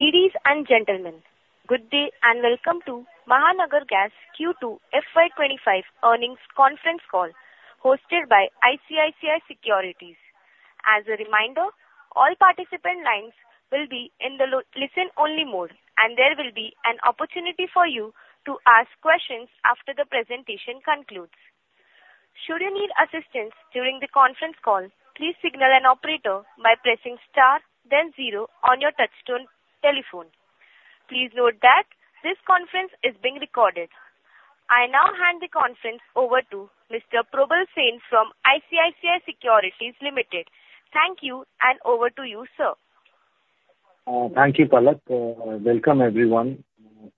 Ladies and gentlemen, good day and welcome to Mahanagar Gas Q2 FY 2025 earnings conference call, hosted by ICICI Securities. As a reminder, all participant lines will be in the listen-only mode, and there will be an opportunity for you to ask questions after the presentation concludes. Should you need assistance during the conference call, please signal an operator by pressing star then zero on your touchtone telephone. Please note that this conference is being recorded. I now hand the conference over to Mr. Probal Sen from ICICI Securities Limited. Thank you, and over to you, sir. Thank you, Palak. Welcome everyone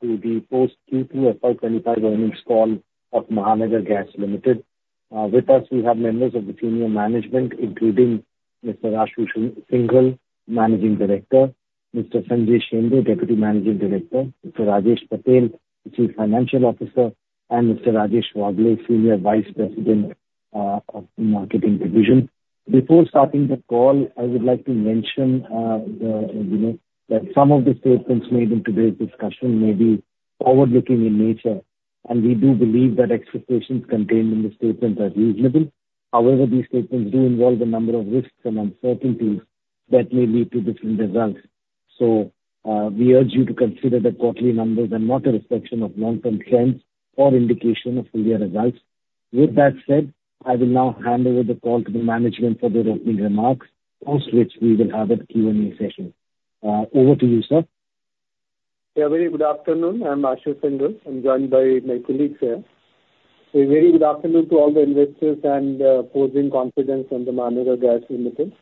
to the post Q2 FY 2025 earnings call of Mahanagar Gas Limited. With us we have members of the senior management, including Mr. Ashu Singhal, Managing Director, Mr. Sanjay Shende, Deputy Managing Director, Mr. Rajesh Patel, the Chief Financial Officer, and Mr. Rajesh Wagle, Senior Vice President of the Marketing Division. Before starting the call, I would like to mention, you know, that some of the statements made in today's discussion may be forward-looking in nature, and we do believe that expectations contained in the statements are reasonable. However, these statements do involve a number of risks and uncertainties that may lead to different results. We urge you to consider the quarterly numbers are not a reflection of long-term trends or indication of future results. With that said, I will now hand over the call to the management for their opening remarks, after which we will have a Q&A session. Over to you, sir. Yeah, very good afternoon. I'm Ashu Shinghal. I'm joined by my colleagues here. A very good afternoon to all the investors and reposing confidence in the Mahanagar Gas Limited,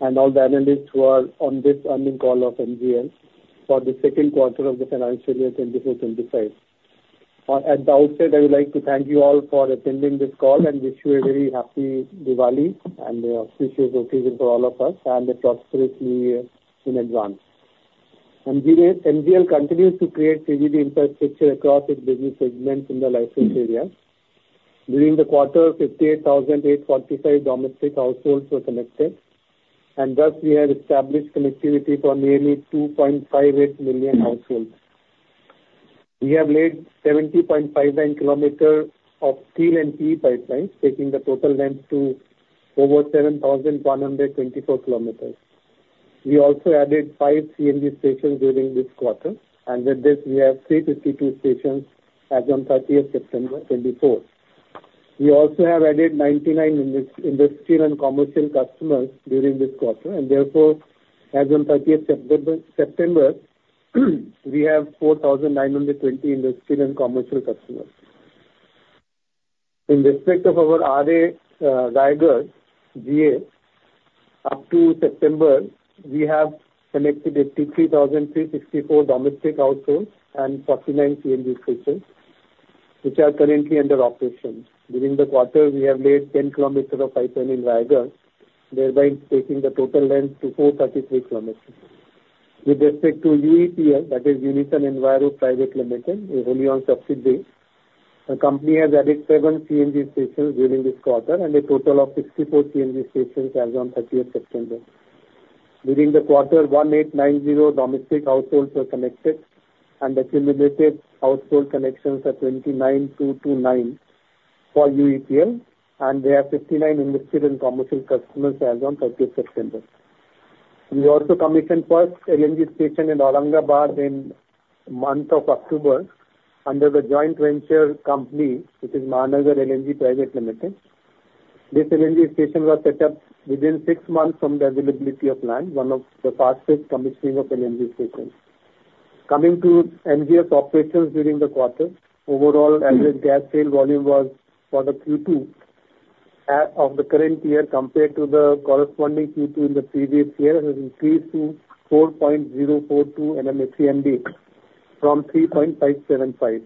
and all the analysts who are on this earnings call of MGL for the second quarter of the financial year 2024-2025. At the outset, I would like to thank you all for attending this call and wish you a very happy Diwali, and auspicious occasion for all of us and a prosperous new year in advance. MGL continues to create CGD infrastructure across its business segments in the license area. During the quarter, 58,845 domestic households were connected, and thus we have established connectivity for nearly 2.58 million households. We have laid 70.59 kilometers of steel and PE pipelines, taking the total length to over 7,124 kilometers. We also added five CNG stations during this quarter, and with this we have 352 stations as on 30th September 2024. We also have added 99 industrial and commercial customers during this quarter, and therefore, as on 30th September 2024, we have 4,920 industrial and commercial customers. In respect of our Raigad GA, up to September, we have connected 83,364 domestic households and 49 CNG stations, which are currently under operation. During the quarter, we have laid 10 kilometers of pipeline in Raigad, thereby taking the total length to 433 kilometers. With respect to UEPL, that is Unison Enviro Private Limited, a wholly owned subsidiary, the company has added seven CNG stations during this quarter, and a total of 64 CNG stations as on thirtieth September. During the quarter, 1,890 domestic households were connected, and the cumulative household connections are 29,229 for UEPL, and we have 59 industrial and commercial customers as on thirtieth September. We also commissioned first LNG station in Aurangabad in month of October under the joint venture company, which is Mahanagar LNG Private Limited. This LNG station was set up within six months from the availability of land, one of the fastest commissioning of LNG stations. Coming to MGL's operations during the quarter, overall average gas sale volume was for the Q2 of the current year, compared to the corresponding Q2 in the previous year, has increased to 4.042 MMSCMD, from 3.575,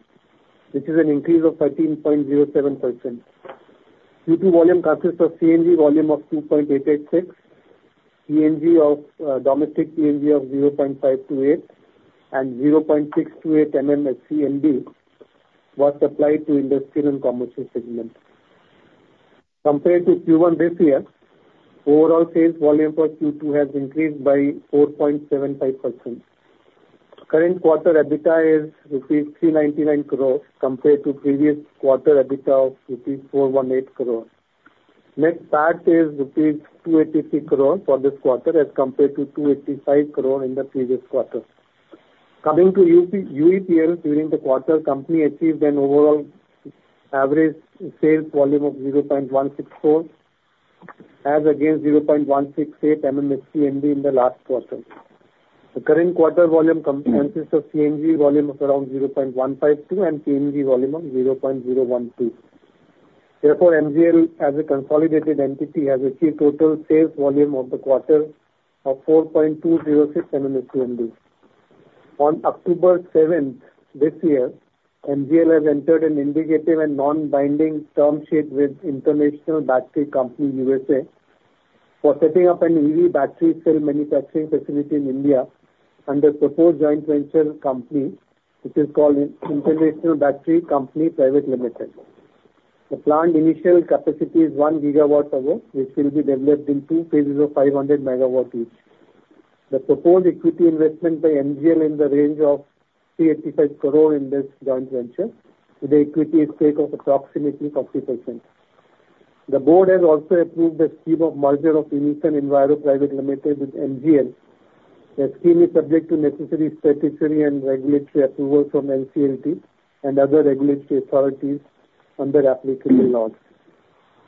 which is an increase of 13.07%. Q2 volume consists of CNG volume of 2.886, PNG of domestic PNG of 0.528 and 0.628 MMSCMD, was supplied to industrial and commercial segment. Compared to Q1 this year, overall sales volume for Q2 has increased by 4.75%. Current quarter EBITDA is rupees 399 crores, compared to previous quarter EBITDA of rupees 418 crores. Net PAT is rupees 283 crores for this quarter, as compared to 285 crores in the previous quarter. Coming to UEPL, during the quarter, company achieved an overall average sales volume of 0.164, as against 0.168 MMSCMD in the last quarter. The current quarter volume consists of CNG volume of around 0.152 and PNG volume of 0.012. Therefore, MGL, as a consolidated entity, has achieved total sales volume of the quarter of 4.206 MMSCMD. On October seventh, this year, MGL has entered an indicative and non-binding term sheet with International Battery Company, USA, for setting up an EV battery cell manufacturing facility in India under proposed joint venture company, which is called International Battery Company Private Limited. The plant initial capacity is one gigawatt hour, which will be developed in two phases of 500 MWs each. The proposed equity investment by MGL in the range of 385 crore in this joint venture, with the equity stake of approximately 40%. The board has also approved the scheme of merger of Unison Enviro Private Limited with MGL. The scheme is subject to necessary statutory and regulatory approval from NCLT and other regulatory authorities under applicable laws.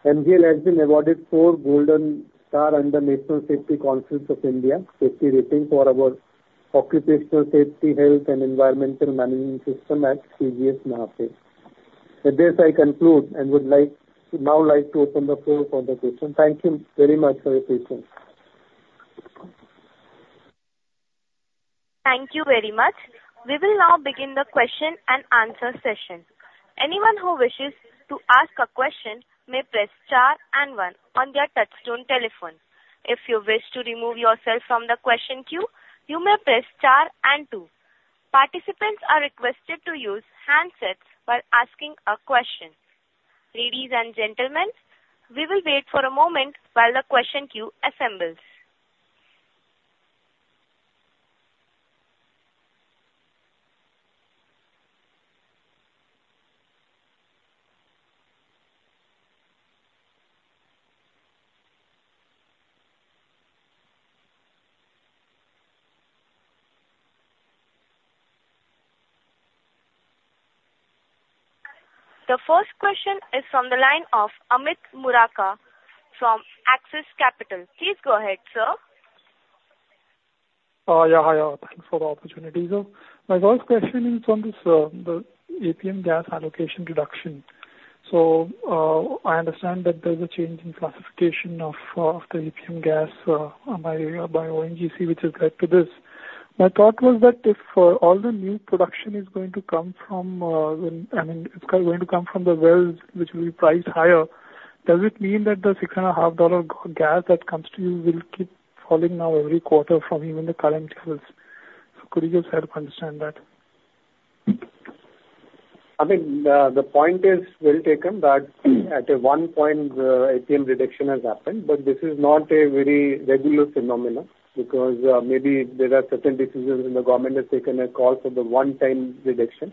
MGL has been awarded four golden star under National Safety Council of India safety rating for our occupational safety, health, and environmental management system at CGS Mahape. With this, I conclude, and would like to open the floor for the question. Thank you very much for your patience. Thank you very much. We will now begin the question and answer session. Anyone who wishes to ask a question may press star and one on their touchtone telephone. If you wish to remove yourself from the question queue, you may press star and two. Participants are requested to use handsets while asking a question. Ladies and gentlemen, we will wait for a moment while the question queue assembles. The first question is from the line of Amit Murarka from Axis Capital. Please go ahead, sir. Yeah, hi, thanks for the opportunity. So my first question is on this, the APM gas allocation reduction. So, I understand that there's a change in classification of the APM gas by ONGC, which has led to this. My thought was that if all the new production is going to come from, I mean, it's going to come from the wells, which will be priced higher, does it mean that the $6.5 gas that comes to you will keep falling now every quarter from even the current wells? So could you just help understand that? I think, the point is well taken, that at one point, APM reduction has happened, but this is not a very regular phenomenon, because, maybe there are certain decisions, and the government has taken a call for the one-time reduction.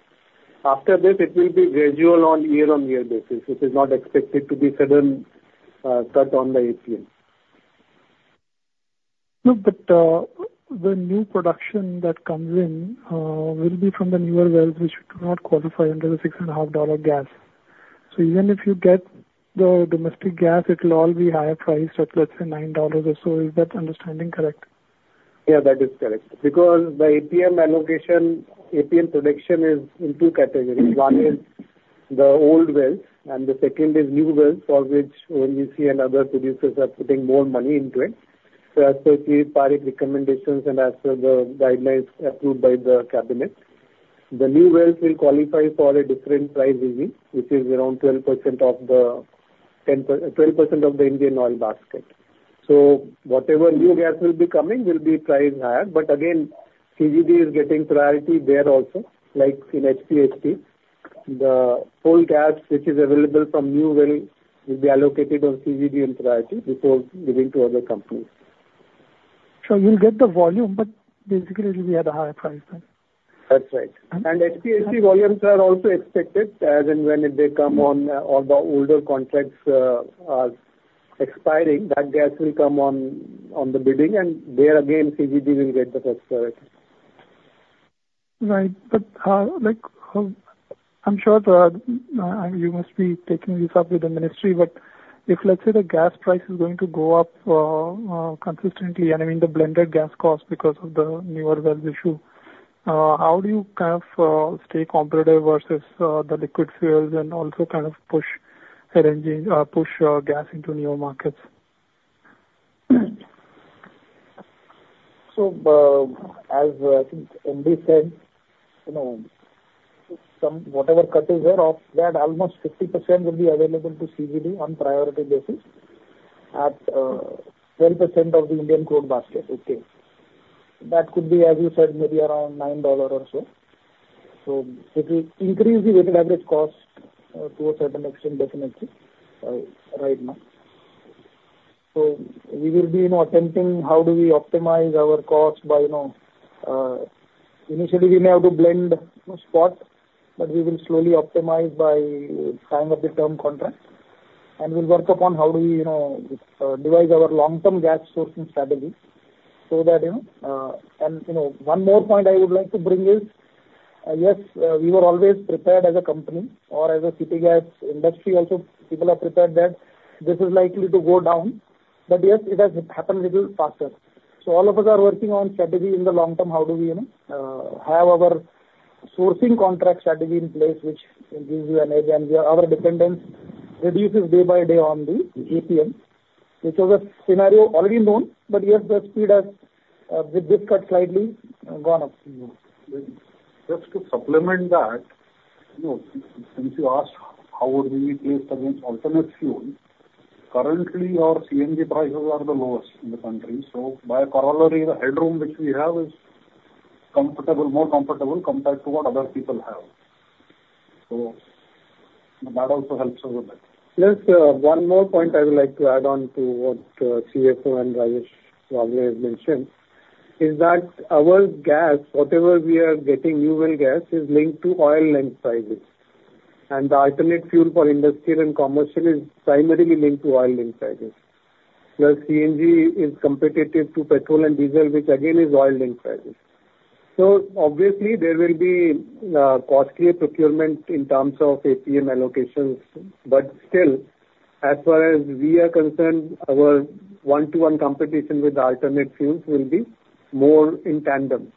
After this, it will be gradual on year-on-year basis. It is not expected to be sudden, cut on the APM. No, but, the new production that comes in, will be from the newer wells, which do not qualify under the $6.5 gas. So even if you get the domestic gas, it'll all be higher priced at, let's say, $9 or so. Is that understanding correct? Yeah, that is correct. Because the APM allocation, APM production is in two categories. One is the old wells, and the second is new wells, for which ONGC and other producers are putting more money into it. So as per the policy recommendations and as per the guidelines approved by the cabinet, the new wells will qualify for a different price regime, which is around 12% of the Indian oil basket. So whatever new gas will be coming, will be priced higher. But again, CGD is getting priority there also, like in HPHT. The whole gas which is available from new well will be allocated on CGD priority before giving to other companies. So you'll get the volume, but basically it will be at a higher price then? That's right. And- HPHT volumes are also expected as and when they come on or the older contracts are expiring. That gas will come on to the bidding, and there again, CGD will get the first priority. Right. But, like, I'm sure you must be taking this up with the ministry, but if, let's say, the gas price is going to go up consistently, and I mean, the blended gas cost because of the newer wells issue, how do you kind of stay competitive versus the liquid fuels and also kind of push LNG, gas into newer markets? So, as I think MD said, you know, some whatever cut is there of that, almost 50% will be available to CGD on priority basis at 10% of the Indian crude basket. Okay. That could be, as you said, maybe around $9 or so. So it will increase the weighted average cost to a certain extent, definitely, right now. So we will be, you know, attempting how do we optimize our costs by, you know, initially we may have to blend, you know, spot, but we will slowly optimize by signing up the term contract. And we will work upon how do we, you know, devise our long-term gas sourcing strategy so that, you know... And, you know, one more point I would like to bring is, yes, we were always prepared as a company or as a city gas industry also, people are prepared that this is likely to go down, but yes, it has happened a little faster. So all of us are working on strategy in the long term, how do we, you know, have our sourcing contract strategy in place, which will give you an idea, and we are, our dependence reduces day by day on the APM, which was a scenario already known, but yes, the speed has, with this cut slightly, gone up. Just, just to supplement that, you know, since you asked how would we be placed against alternate fuels, currently our CNG prices are the lowest in the country, so by corollary, the headroom which we have is comfortable, more comfortable compared to what other people have. So that also helps over that. Plus, one more point I would like to add on to what, CFO and Rajesh already have mentioned, is that our gas, whatever we are getting, new well gas, is linked to oil link prices, and the alternate fuel for industrial and commercial is primarily linked to oil link prices, plus CNG is competitive to petrol and diesel, which again is oil link prices. So obviously there will be costlier procurement in terms of APM allocations. But still, as far as we are concerned, our one-to-one competition with alternate fuels will be more in tandem.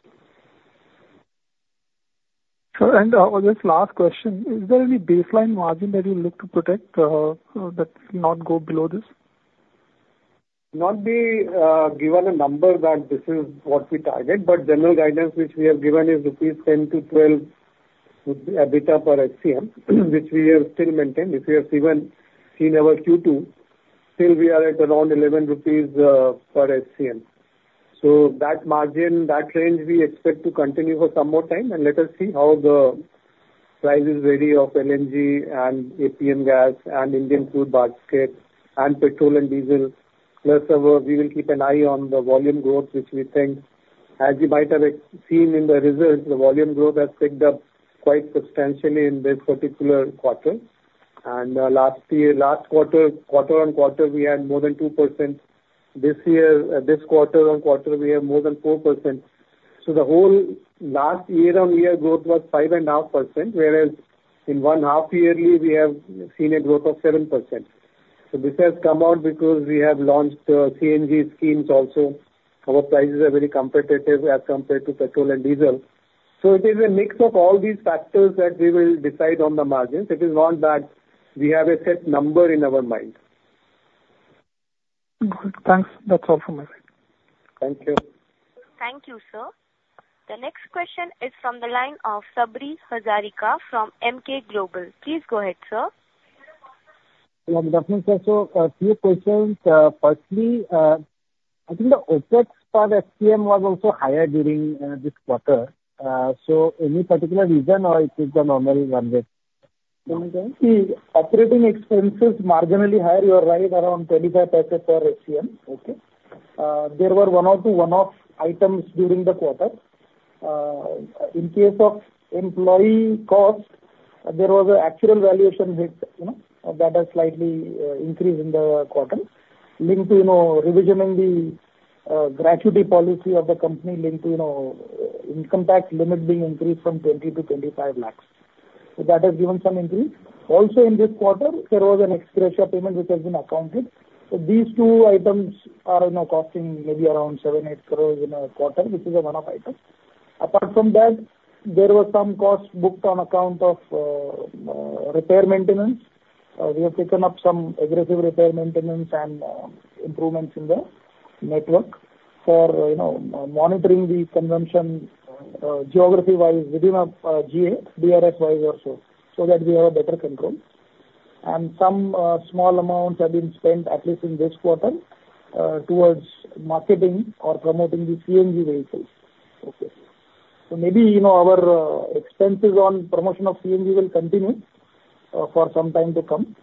Sir, and just last question: Is there any baseline margin that you look to protect, that not go below this? Not be given a number that this is what we target, but general guidance which we have given is rupees 10-12 would be EBITDA per SCM, which we have still maintained. Which we have even seen in our Q2, still we are at around 11 rupees per SCM. So that margin, that range, we expect to continue for some more time, and let us see how the prices vary of LNG and APM gas and Indian fuel basket and petrol and diesel. Plus, however, we will keep an eye on the volume growth, which we think, as you might have seen in the results, the volume growth has picked up quite substantially in this particular quarter. Last year, last quarter, quarter on quarter, we had more than 2%. This year, this quarter on quarter, we have more than 4%. The whole last year-on-year growth was 5.5%, whereas in one half-yearly we have seen a growth of 7%. This has come out because we have launched CNG schemes also. Our prices are very competitive as compared to petrol and diesel. It is a mix of all these factors that we will decide on the margins. It is not that we have a set number in our mind. Good. Thanks. That's all from my side. Thank you. Thank you, sir. The next question is from the line of Sabri Hazarika from Emkay Global. Please go ahead, sir. Good afternoon, sir. So, a few questions. Firstly, I think the OpEx per SCM was also higher during this quarter. So any particular reason or it is the normal one rate? The operating expenses marginally higher, you are right, around 0.25 per SCM. Okay? There were one or two one-off items during the quarter. In case of employee costs, there was an actuarial valuation hit, you know, that has slightly increased in the quarter, linked to, you know, revision in the gratuity policy of the company, linked to, you know, income tax limit being increased from 20 to 25 lakhs. So that has given some increase. Also, in this quarter, there was an ex-gratia payment, which has been accounted. So these two items are, you know, costing maybe around 7-8 crores in a quarter, which is a one-off item. Apart from that, there were some costs booked on account of repair maintenance. We have taken up some aggressive repair maintenance and improvements in the network for, you know, monitoring the consumption geography-wise, within a GA, DRS-wise also, so that we have a better control. And some small amounts have been spent, at least in this quarter, towards marketing or promoting the CNG vehicles. Okay. So maybe, you know, our expenses on promotion of CNG will continue for some time to come,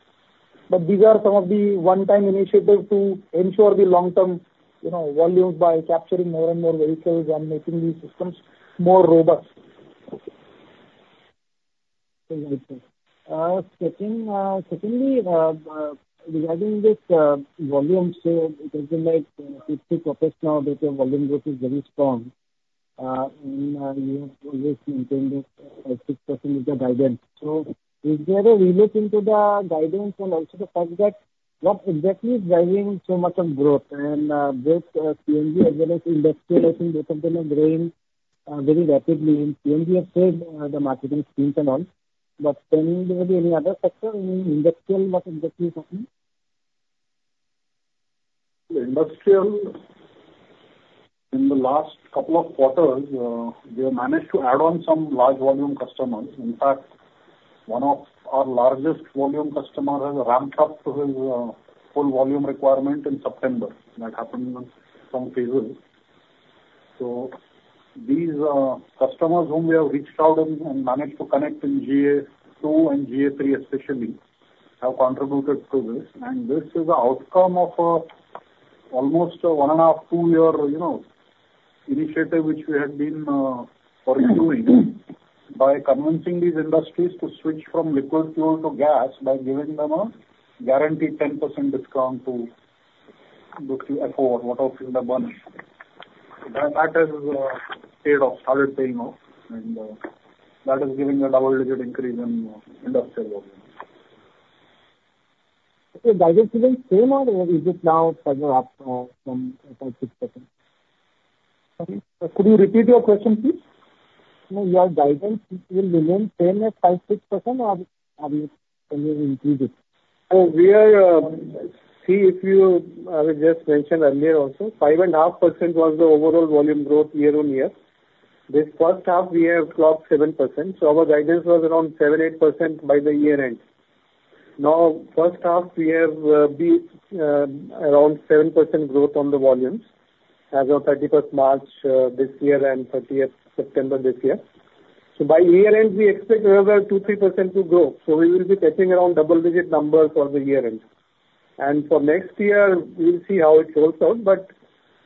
but these are some of the one-time initiatives to ensure the long-term, you know, volumes by capturing more and more vehicles and making these systems more robust. Okay. Second, secondly, regarding this, volumes, so it has been like 50%, now that your volume growth is very strong, and you have always maintained that, 5-6% is the guidance. So is there a revision to the guidance and also the fact that what exactly is driving so much of growth? And, both, CNG as well as industrial, I think both of them are growing, very rapidly. In CNG, you have said, the marketing schemes and all, but can there be any other factor in industrial, but industrial something? Industrial, in the last couple of quarters, we have managed to add on some large volume customers. In fact, one of our largest volume customer has ramped up to his full volume requirement in September. That happened in some phases. So these customers whom we have reached out and managed to connect in GA2 and GA3 especially, have contributed to this. And this is the outcome of almost a one and a half, two year, you know, initiative, which we had been pursuing by convincing these industries to switch from liquid fuel to gas, by giving them a guaranteed 10% discount to the fuel, whatever fuel they're burning. That factor is paid off, started paying off, and that is giving a double-digit increase in industrial volume. So guidance remains same or is it now further up, from 5%-6%? Sorry. Could you repeat your question, please? No, your guidance will remain same at 5%-6%, or are you, can you increase it? See, I would just mention earlier also, 5.5% was the overall volume growth year on year. This first half, we have clocked 7%, so our guidance was around 7-8% by the year end. Now, first half, we have around 7% growth on the volumes as of 31st March this year, and 30th September this year. So by year end, we expect another 2-3% to grow, so we will be touching around double-digit numbers for the year end. For next year, we'll see how it rolls out, but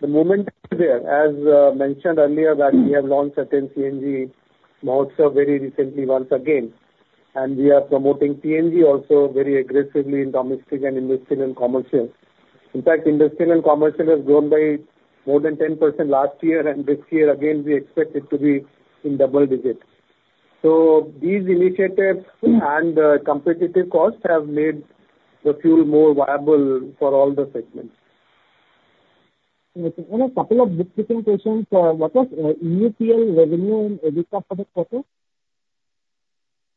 the momentum is there. As mentioned earlier, we have launched certain CNG modes very recently once again, and we are promoting PNG also very aggressively in domestic and industrial and commercial. In fact, industrial and commercial has grown by more than 10% last year, and this year again, we expect it to be in double digits. So these initiatives and competitive costs have made the fuel more viable for all the segments. Okay. One, a couple of specific questions. What was UEPL revenue and EBITDA for the quarter?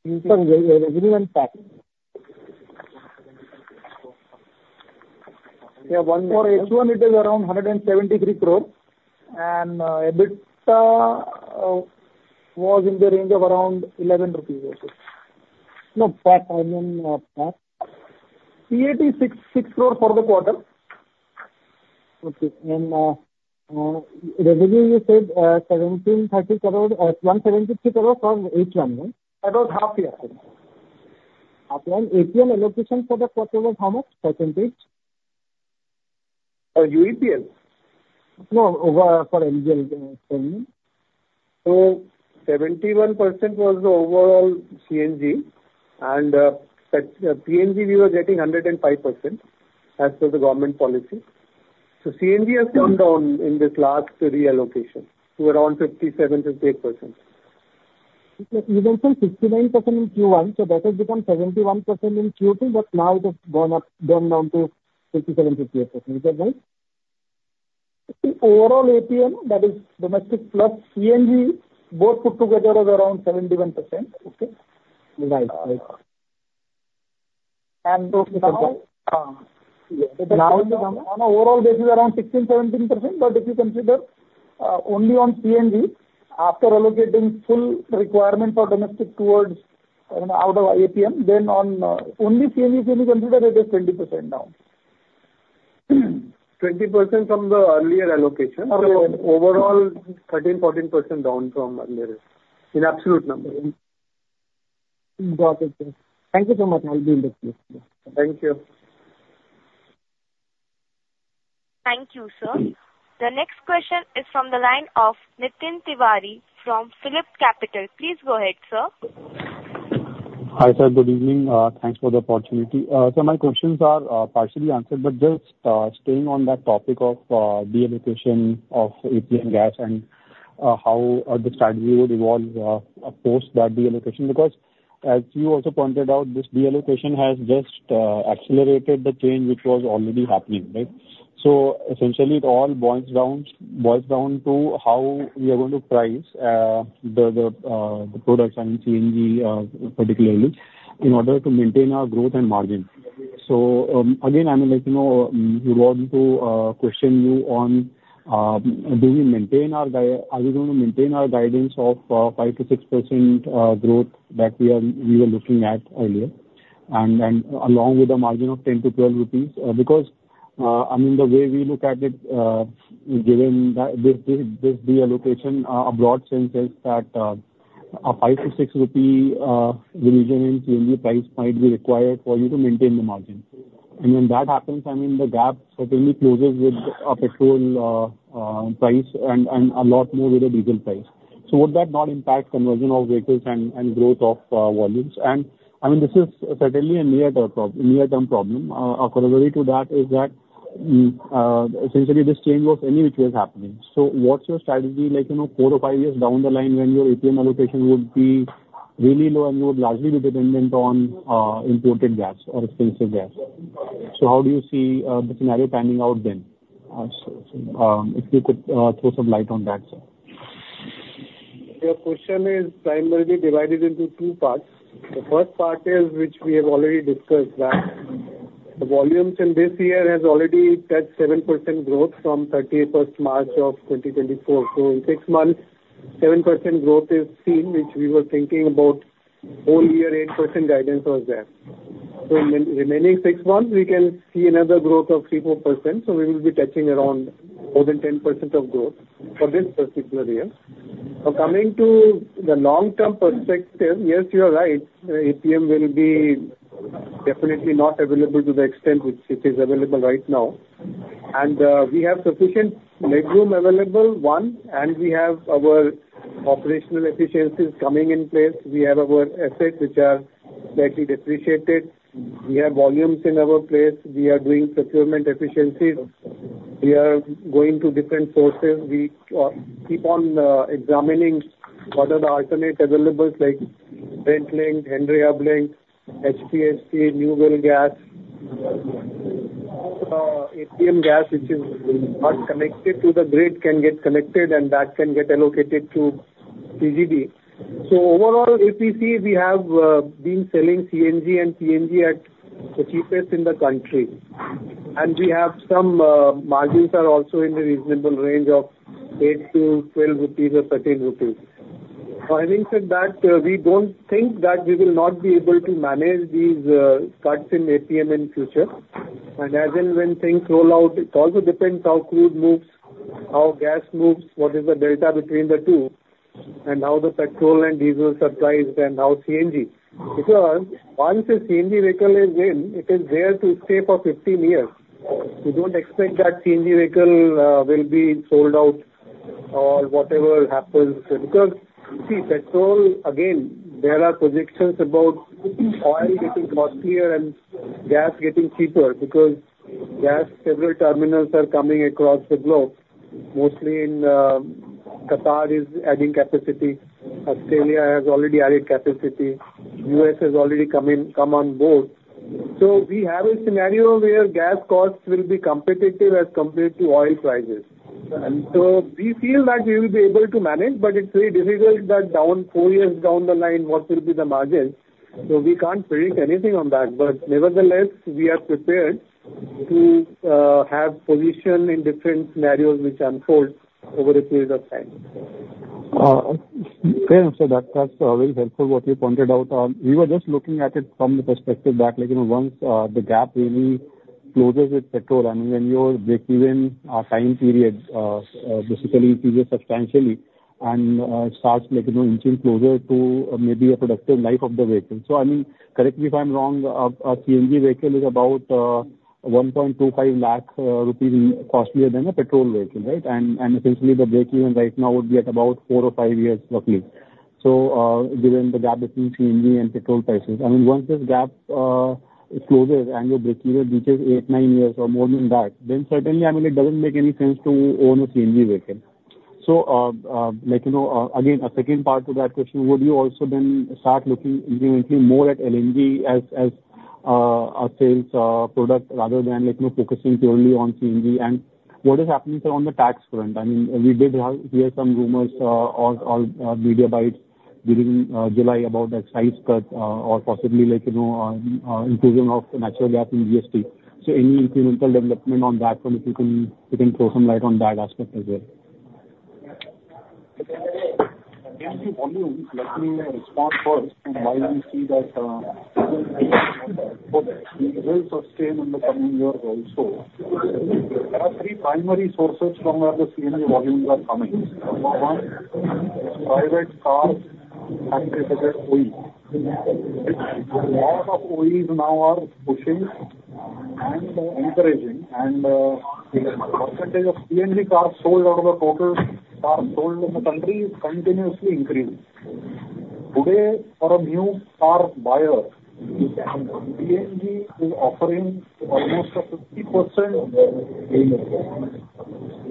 In terms of revenue and profit. Yeah, one for H1, it is around INR 173 crore, and EBITDA was in the range of around 11 rupees, okay. No, profit, I mean, profit. PAT INR 66 crore for the quarter. Okay. And revenue, you said 1,730 crore, 173 crore from H1, no? About half year. APM allocation for the quarter was how much percentage? Uh, UPL? No, over for LNG, PNG. 71% was the overall CNG, and PNG, we were getting 105%, as per the government policy. So CNG has come down in this last reallocation to around 57-58%. You mentioned 69% in Q1, so that has become 71% in Q2, but now it has gone up, gone down to 57%-58%. Is that right? The overall APM, that is domestic plus CNG, both put together is around 71%. Okay? Right. Right. And so now, yeah. Now- On an overall basis, around 16-17%, but if you consider only on PNG, after allocating full requirement for domestic towards, I mean, out of APM, then on only CNG, if you consider, it is 20% down. 20% from the earlier allocation? Uh, yeah. So overall, 13%-14% down from earlier, in absolute numbers. Got it, yeah. Thank you so much. I'll be in touch. Thank you. Thank you, sir. The next question is from the line of Nitin Tiwari from Phillip Capital. Please go ahead, sir. Hi, sir. Good evening. Thanks for the opportunity. So my questions are partially answered, but just staying on that topic of deallocation of APM gas and how the strategy would evolve post that deallocation. Because as you also pointed out, this deallocation has just accelerated the change which was already happening, right? So essentially, it all boils down to how we are going to price the products and CNG, particularly, in order to maintain our growth and margin. So, again, I mean, like, you know, we want to question you on, do we maintain, are we going to maintain our guidance of 5-6% growth that we were looking at earlier, and along with a margin of 10-12 rupees? Because, I mean, the way we look at it, given that this deallocation, in a broad sense is that a five to six rupee reduction in CNG price might be required for you to maintain the margin. And when that happens, I mean, the gap certainly closes with petrol price and a lot more with the diesel price. So would that not impact conversion of vehicles and growth of volumes? And I mean, this is certainly a near-term problem. A corollary to that is that essentially this change was anyway happening. So what's your strategy like, you know, four or five years down the line when your APM allocation would be really low and you would largely be dependent on imported gas or expensive gas? So how do you see the scenario panning out then? So if you could throw some light on that, sir. Your question is primarily divided into two parts. The first part is, which we have already discussed, that the volumes in this year has already touched 7% growth from March 31, 2024. So in six months, 7% growth is seen, which we were thinking about whole year, 8% guidance was there. So in remaining six months, we can see another growth of 3-4%, so we will be touching around more than 10% of growth for this particular year. Now, coming to the long-term perspective, yes, you are right. APM will be definitely not available to the extent which it is available right now. And we have sufficient headroom available, and we have our operational efficiencies coming in place. We have our assets, which are slightly depreciated. We have volumes in our place. We are doing procurement efficiencies. We are going to different sources. We keep on examining what are the alternate available, like, Brent Linked, Henry Hub Linked, HPHT, new well gas. APM gas, which is not connected to the grid, can get connected and that can get allocated to CGD. So overall, CGD, we have been selling CNG and PNG at the cheapest in the country. And we have some margins are also in the reasonable range of 8-12 rupees or 13 rupees. So having said that, we don't think that we will not be able to manage these cuts in APM in future. And as and when things roll out, it also depends how crude moves, how gas moves, what is the delta between the two, and how the petrol and diesel supplies and how CNG. Because once a CNG vehicle is in, it is there to stay for fifteen years. We don't expect that CNG vehicle will be sold out or whatever happens, because, see, petrol, again, there are projections about oil getting costlier and gas getting cheaper, because gas, several terminals are coming across the globe, mostly in, Qatar is adding capacity, Australia has already added capacity, US has already come on board. So we have a scenario where gas costs will be competitive as compared to oil prices. And so we feel that we will be able to manage, but it's very difficult, four years down the line, what will be the margin? So we can't predict anything on that, but nevertheless, we are prepared to have position in different scenarios which unfold over a period of time. Okay, so that's very helpful what you pointed out on. We were just looking at it from the perspective that, like, you know, once the gap really closes with petrol and when your breakeven time period basically improves substantially and starts, like, you know, inching closer to maybe a productive life of the vehicle. So I mean, correct me if I'm wrong, a CNG vehicle is about 1.25 lakh rupees costlier than a petrol vehicle, right? And essentially, the breakeven right now would be at about four or five years, roughly. So given the gap between CNG and petrol prices, I mean, once this gap closes and your breakeven reaches eight, nine years or more than that, then certainly, I mean, it doesn't make any sense to own a CNG vehicle. So, like, you know, again, a second part to that question: Would you also then start looking incrementally more at LNG as a sales product, rather than, like, you know, focusing purely on CNG? And what is happening on the tax front? I mean, we did hear some rumors on sound bites during July about excise cut or possibly, like, you know, inclusion of natural gas in GST. So any incremental development on that front, if you can throw some light on that aspect as well. CNG volumes, let me respond first on why we see that will sustain in the coming years also. There are three primary sources from where the CNG volumes are coming. One, private car OEMs. A lot of OEs now are pushing and encouraging, and the percentage of CNG cars sold out of the total cars sold in the country is continuously increasing. Today, for a new car buyer, CNG is offering almost a 50%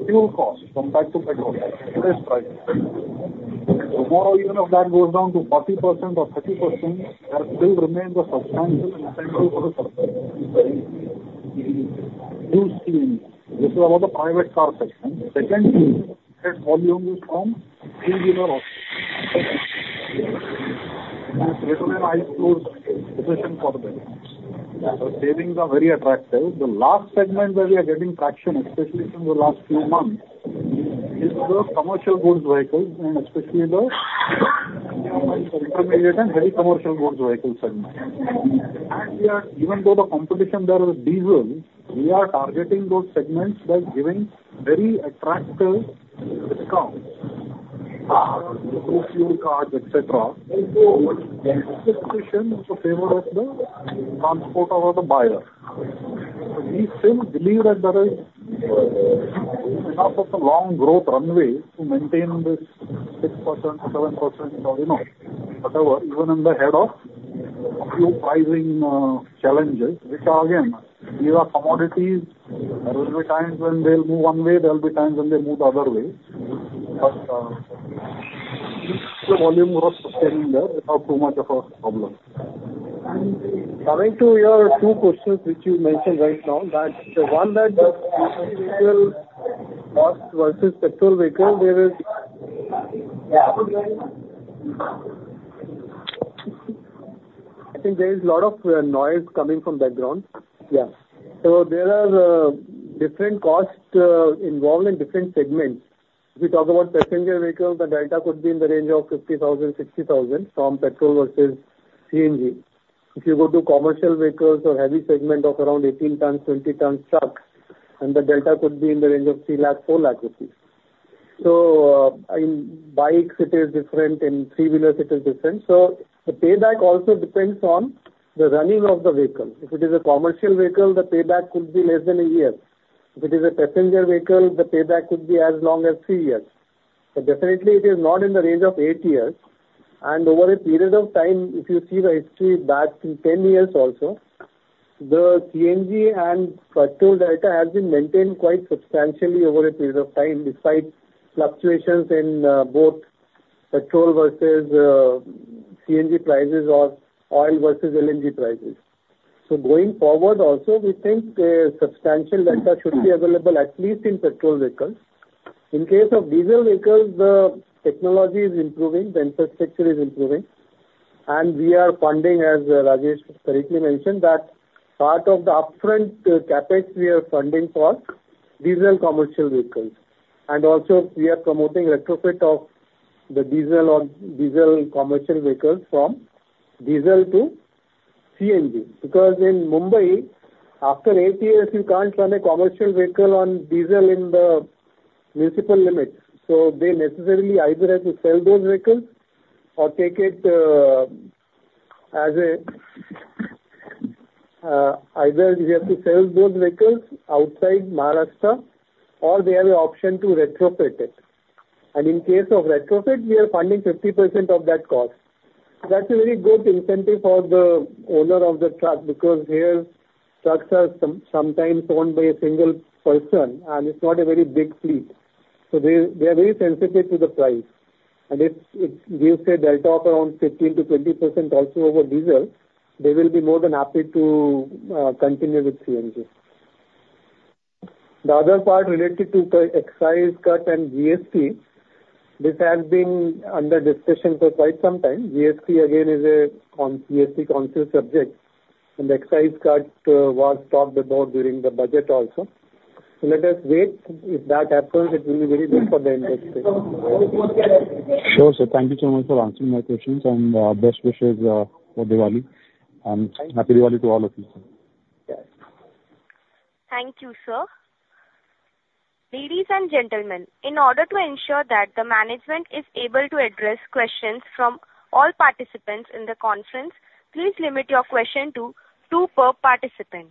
fuel cost compared to petrol, less price. Tomorrow, even if that goes down to 40% or 30%, that still remains a substantial incentive for the customer to use CNG. This is about the private car segment. Second segment volume is from three-wheeler autos. The savings are very attractive. The last segment where we are getting traction, especially from the last few months, is the commercial goods vehicles and especially the intermediate and heavy commercial goods vehicle segment. Even though the competition there is diesel, we are targeting those segments by giving very attractive discounts, fuel cards, et cetera. So the expectation is in favor of the transport or the buyer. We still believe that there is enough of a long growth runway to maintain this 6% to 7%, or, you know, whatever, even in the ahead of a few pricing challenges, which are, again, these are commodities. There will be times when they'll move one way, there will be times when they move the other way. But the volume will sustain there, we have too much of a problem. And coming to your two questions, which you mentioned right now, that the one that CNG vehicle cost versus petrol vehicle, there is- I think there is a lot of noise coming from background. Yeah. So there are different costs involved in different segments. If we talk about passenger vehicles, the delta could be in the range of 50,000-60,000 from petrol versus CNG. If you go to commercial vehicles or heavy segment of around 18-ton-20-ton trucks, and the delta could be in the range of 300,000-400,000 rupees. So, in bikes, it is different. In three-wheelers, it is different. So the payback also depends on the running of the vehicle. If it is a commercial vehicle, the payback could be less than a year. If it is a passenger vehicle, the payback could be as long as three years. But definitely, it is not in the range of eight years. And over a period of time, if you see the history back in ten years also, the CNG and petrol data has been maintained quite substantially over a period of time, despite fluctuations in both petrol versus CNG prices or oil versus LNG prices. So going forward, also, we think a substantial data should be available at least in petrol vehicles. In case of diesel vehicles, the technology is improving, the infrastructure is improving. And we are funding, as Rajesh correctly mentioned, that part of the upfront CapEx we are funding for diesel commercial vehicles. And also we are promoting retrofit of the diesel on diesel commercial vehicles from diesel to CNG, because in Mumbai, after eight years, you can't run a commercial vehicle on diesel in the municipal limits. So they necessarily either have to sell those vehicles or take it as a either we have to sell those vehicles outside Maharashtra, or they have an option to retrofit it. And in case of retrofit, we are funding 50% of that cost. That's a very good incentive for the owner of the truck, because here, trucks are sometimes owned by a single person, and it's not a very big fleet, so they are very sensitive to the price. And it's we say delta of around 15%-20% also over diesel, they will be more than happy to continue with CNG. The other part related to the excise cut and GST, this has been under discussion for quite some time. GST again is a constitutional subject, and the excise cut was talked about during the budget also. So let us wait. If that happens, it will be very good for the industry. Sure, sir. Thank you so much for answering my questions, and best wishes for Diwali, and Happy Diwali to all of you. Yes. Thank you, sir. Ladies and gentlemen, in order to ensure that the management is able to address questions from all participants in the conference, please limit your question to two per participant.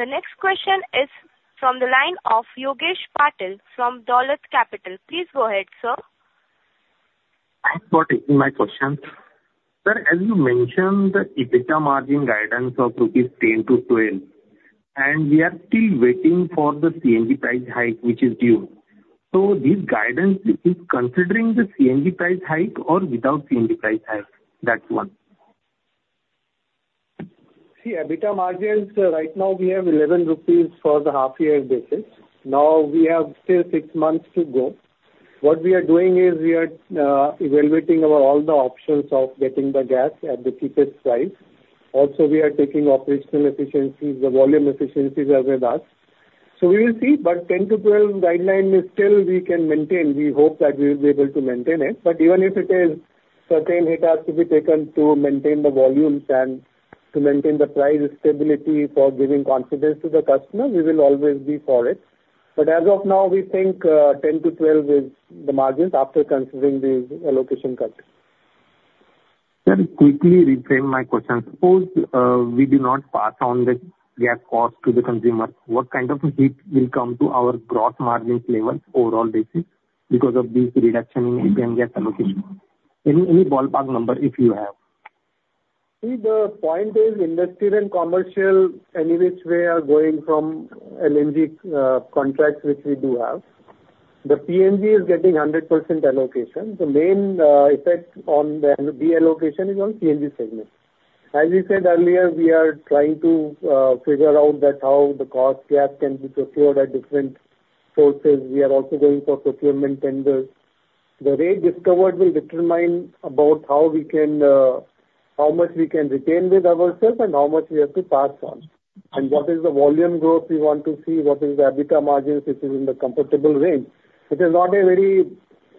The next question is from the line of Yogesh Patil from Dolat Capital. Please go ahead, sir. Thanks for taking my question. Sir, as you mentioned, the EBITDA margin guidance of 10-12 rupees, and we are still waiting for the CNG price hike, which is due. So this guidance is considering the CNG price hike or without CNG price hike? That's one. See, EBITDA margins, right now we have 11 rupees for the half year basis. Now, we have still six months to go. What we are doing is we are evaluating our all the options of getting the gas at the cheapest price. Also, we are taking operational efficiencies, the volume efficiencies are with us. So we will see, but 10-12 guideline is still we can maintain. We hope that we will be able to maintain it, but even if it is certain, it has to be taken to maintain the volumes and to maintain the price stability for giving confidence to the customer, we will always be for it. But as of now, we think 10-12 is the margins after considering the allocation cut. Sir, quickly reframe my question. Suppose we do not pass on the gas cost to the consumer, what kind of a hit will come to our gross margins levels overall basis because of this reduction in PNG allocation? Any ballpark number, if you have. See, the point is industrial and commercial, any which way are going for LNG contracts, which we do have. The PNG is getting 100% allocation. The main effect on the deallocation is on CNG segment. As we said earlier, we are trying to figure out that how the cost gap can be procured at different sources. We are also going for procurement tenders. The way discovered will determine about how we can, how much we can retain with ourselves and how much we have to pass on, and what is the volume growth we want to see, what is the EBITDA margins, which is in the comfortable range. It is not a very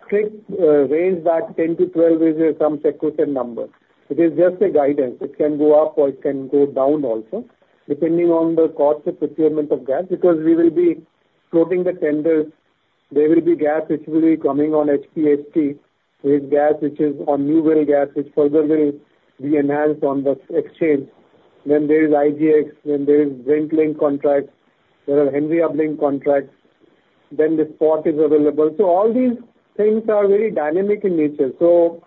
strict range that 10-12 is some sacrosanct number. It is just a guidance. It can go up or it can go down also, depending on the cost of procurement of gas, because we will be floating the tenders. There will be gas which will be coming on HPHT, with gas which is on new well gas, which further will be enhanced on the exchange. Then there is IGX, then there is link contracts, there are Henry Hub linked contracts, then the spot is available. So all these things are very dynamic in nature. So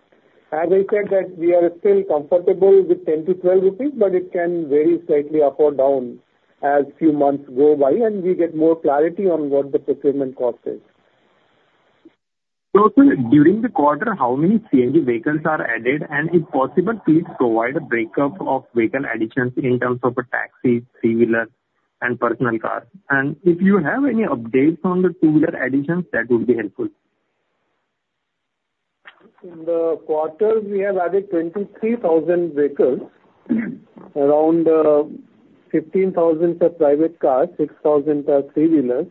as I said that we are still comfortable with 10-12 rupees, but it can vary slightly up or down as few months go by and we get more clarity on what the procurement cost is. So sir, during the quarter, how many CNG vehicles are added? And if possible, please provide a breakup of vehicle additions in terms of a taxi, three-wheeler, and personal car. And if you have any updates on the two-wheeler additions, that would be helpful. In the quarter, we have added 23,000 vehicles, around 15,000 are private cars, six thousand are three-wheelers,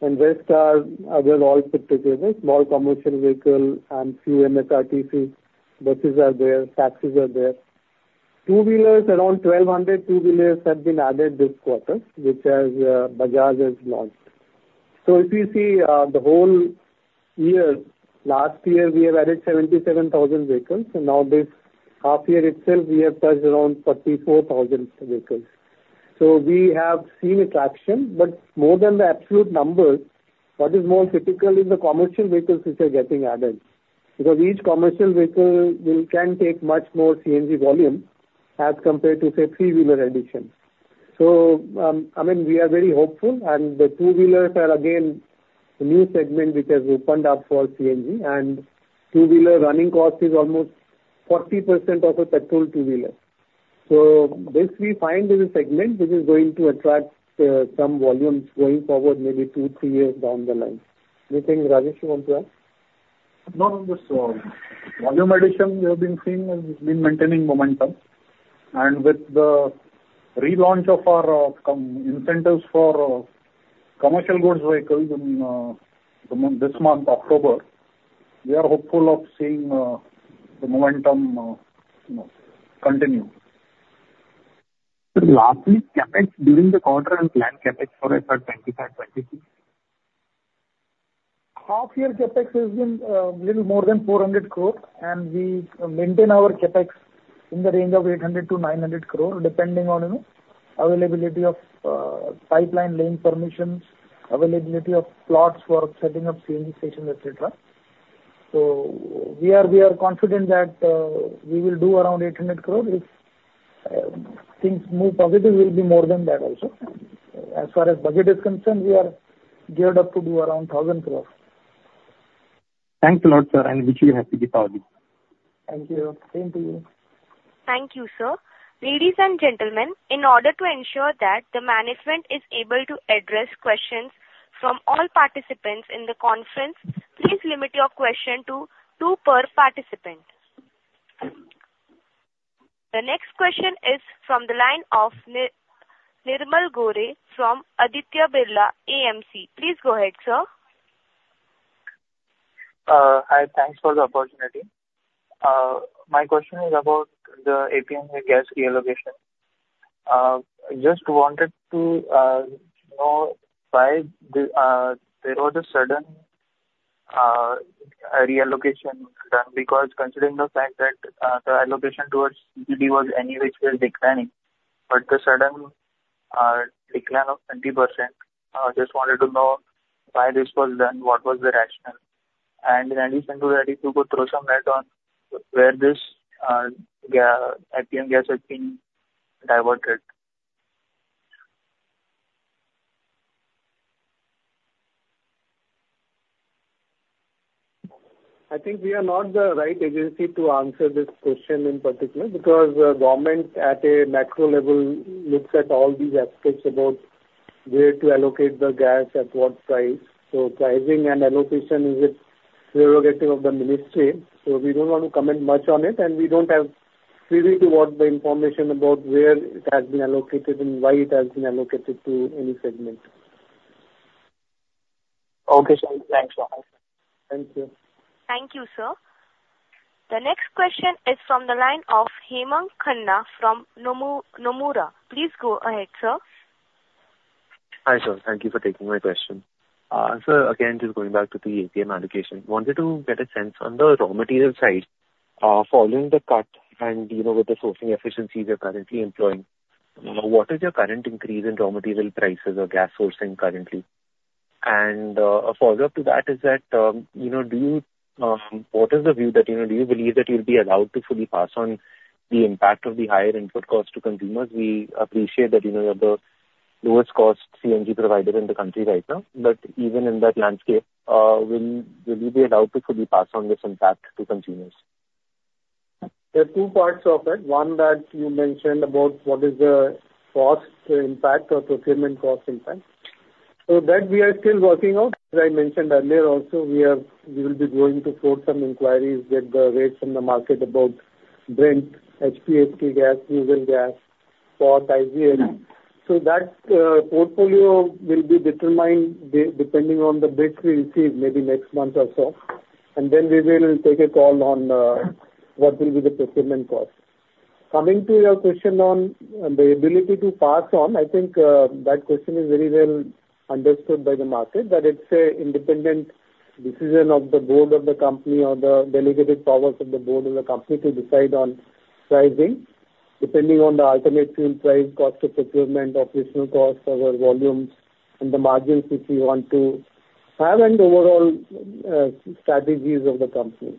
and rest are other all put together, small commercial vehicle and few MSRTC buses are there, taxis are there. Two-wheelers, around twelve hundred two-wheelers have been added this quarter, which Bajaj has launched. So if you see the whole year, last year, we have added seventy-seven thousand vehicles, and now this half year itself, we have touched around forty-four thousand vehicles. So we have seen attraction, but more than the absolute numbers, what is more critical is the commercial vehicles which are getting added, because each commercial vehicle can take much more CNG volume as compared to, say, three-wheeler additions. So, I mean, we are very hopeful, and the two-wheelers are again a new segment which has opened up for CNG, and two-wheeler running cost is almost 40% of a petrol two-wheeler. So this we find is a segment which is going to attract some volumes going forward, maybe two, three years down the line. Anything, Rajesh, you want to add? No, no, just volume addition we have been seeing has been maintaining momentum, and with the relaunch of our commercial incentives for commercial goods vehicles in this month, October, we are hopeful of seeing the momentum, you know, continue. Sir, lastly, CapEx during the quarter and planned CapEx for FY 2025, 2026? Half-year CapEx has been a little more than 400 crore, and we maintain our CapEx in the range of 800-900 crore, depending on, you know, availability of pipeline laying permissions, availability of plots for setting up CNG stations, et cetera. So we are confident that we will do around 800 crore. If things move positive, we'll be more than that also. As far as budget is concerned, we are geared up to do around 1,000 crore. Thanks a lot, sir, and wish you a happy Diwali. Thank you. Same to you. Thank you, sir. Ladies and gentlemen, in order to ensure that the management is able to address questions from all participants in the conference, please limit your question to two per participant. The next question is from the line of Nirmal Bari from Aditya Birla AMC. Please go ahead, sir. Hi. Thanks for the opportunity. My question is about the APM gas reallocation. Just wanted to know why there was a sudden reallocation done, because considering the fact that the allocation towards CGD was anyway still declining, but the sudden decline of 20%, just wanted to know why this was done, what was the rationale? And if anyone can throw some light on where this APM gas has been diverted. I think we are not the right agency to answer this question in particular, because the government, at a macro level, looks at all these aspects about where to allocate the gas, at what price. So pricing and allocation is a prerogative of the ministry, so we don't want to comment much on it, and we don't have clearly what the information about where it has been allocated and why it has been allocated to any segment. Okay, sir. Thanks a lot. Thank you. Thank you, sir. The next question is from the line of Hemang Khanna from Nomura. Please go ahead, sir. Hi, sir. Thank you for taking my question. Sir, again, just going back to the APM allocation, wanted to get a sense on the raw material side, following the cut and, you know, with the sourcing efficiencies you're currently employing, what is your current increase in raw material prices or gas sourcing currently? And, a follow-up to that is that, you know, do you, what is the view that, you know, do you believe that you'll be allowed to fully pass on the impact of the higher input cost to consumers? We appreciate that, you know, you're the lowest cost CNG provider in the country right now, but even in that landscape, will you be allowed to fully pass on this impact to consumers? There are two parts of it. One, that you mentioned about what is the cost impact or procurement cost impact. So that we are still working on. As I mentioned earlier also, we are. We will be going to quote some inquiries, get the rates from the market about Brent, HPHT gas, deep sea gas, spot LNG. So that portfolio will be determined depending on the bids we receive maybe next month or so, and then we will take a call on what will be the procurement cost. Coming to your question on the ability to pass on, I think, that question is very well understood by the market, that it's a independent decision of the board of the company or the delegated powers of the board of the company to decide on pricing, depending on the alternate fuel price, cost of procurement, operational costs, our volumes, and the margins which we want to have, and overall, strategies of the company.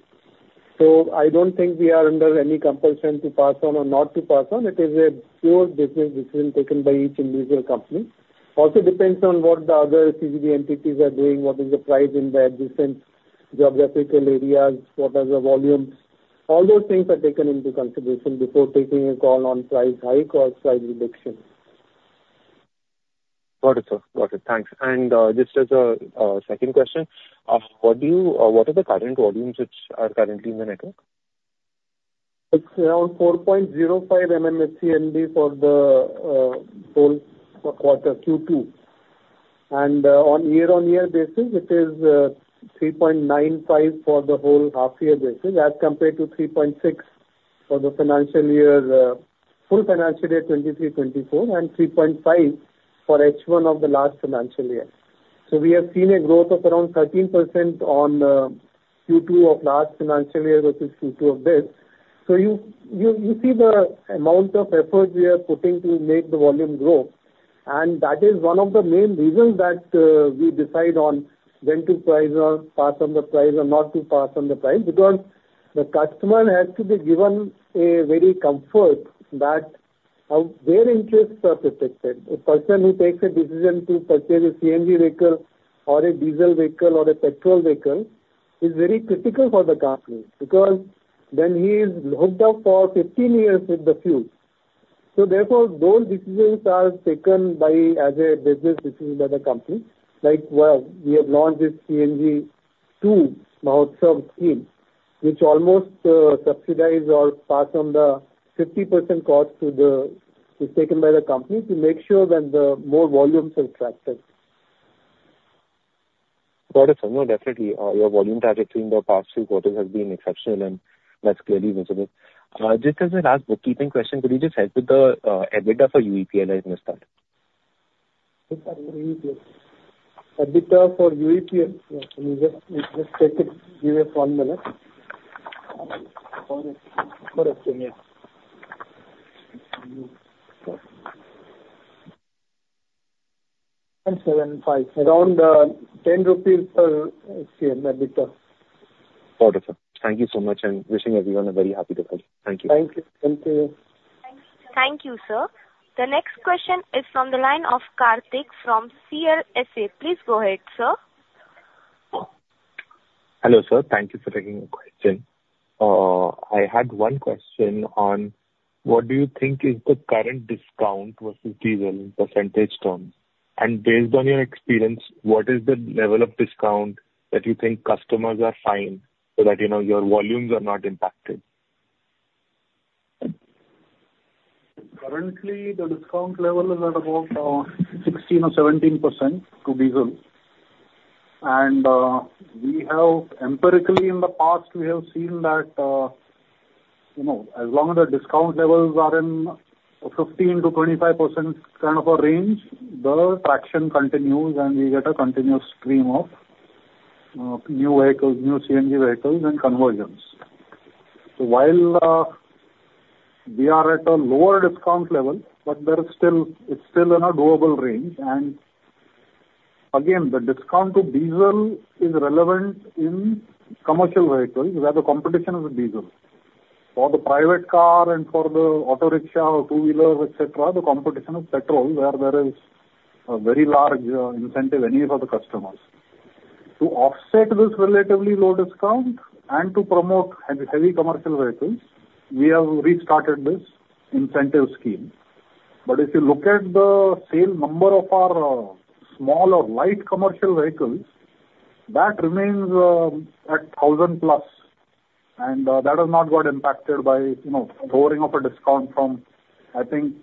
So I don't think we are under any compulsion to pass on or not to pass on. It is a pure business decision taken by each individual company. Also, depends on what the other CGD entities are doing, what is the price in the adjacent geographical areas, what are the volumes. All those things are taken into consideration before taking a call on price hike or price reduction. Got it, sir. Got it. Thanks. And just as a second question, what do you... what are the current volumes which are currently in the network? It's around 4.05 MMSCMD for the whole quarter, Q2, and on year-on-year basis, it is 3.95 for the whole half year basis, as compared to 3.6 for the financial year, full financial year 2023-2024, and 3.5 for H1 of the last financial year, so we have seen a growth of around 13% on Q2 of last financial year versus Q2 of this, so you see the amount of effort we are putting to make the volume grow, and that is one of the main reasons that we decide on when to price or pass on the price or not to pass on the price, because the customer has to be given a very comfort that their interests are protected. A person who takes a decision to purchase a CNG vehicle or a diesel vehicle or a petrol vehicle is very critical for the company, because then he is hooked up for 15 years with the fuel. So therefore, those decisions are taken by, as a business decision by the company. Like, well, we have launched this CNG Mahotsav scheme, which almost subsidize or pass on the 50% cost to the is taken by the company to make sure that the more volumes are attracted. Got it, sir. No, definitely. Your volume trajectory in the past few quarters has been exceptional, and that's clearly visible. Just as a last bookkeeping question, could you just help with the EBITDA for UEPL as a start? EBITDA for UEPL. EBITDA for UEPL, yeah, let me just take it, give me a formula. Got it. Got it, yeah. And seven, five. Around ten rupees per EBITDA. Got it, sir. Thank you so much, and wishing everyone a very happy Diwali. Thank you. Thank you. Thank you. Thank you, sir. The next question is from the line of Karthik from CLSA. Please go ahead, sir. Hello, sir. Thank you for taking the question. I had one question on, what do you think is the current discount versus diesel in percentage terms? And based on your experience, what is the level of discount that you think customers are fine, so that, you know, your volumes are not impacted? Currently, the discount level is at about 16% or 17% to diesel, and empirically in the past, we have seen that, you know, as long as the discount levels are in 15%-25% kind of a range, the traction continues, and we get a continuous stream of new vehicles, new CNG vehicles and conversions, so while we are at a lower discount level, but there is still, it's still in a doable range. And again, the discount to diesel is relevant in commercial vehicles, where the competition is with diesel. For the private car and for the auto rickshaw, two-wheeler, et cetera, the competition is petrol, where there is a very large incentive anyway for the customers. To offset this relatively low discount and to promote heavy commercial vehicles, we have restarted this incentive scheme. But if you look at the sale number of our small or light commercial vehicles, that remains at 1000 plus, and that has not got impacted by, you know, lowering of a discount from, I think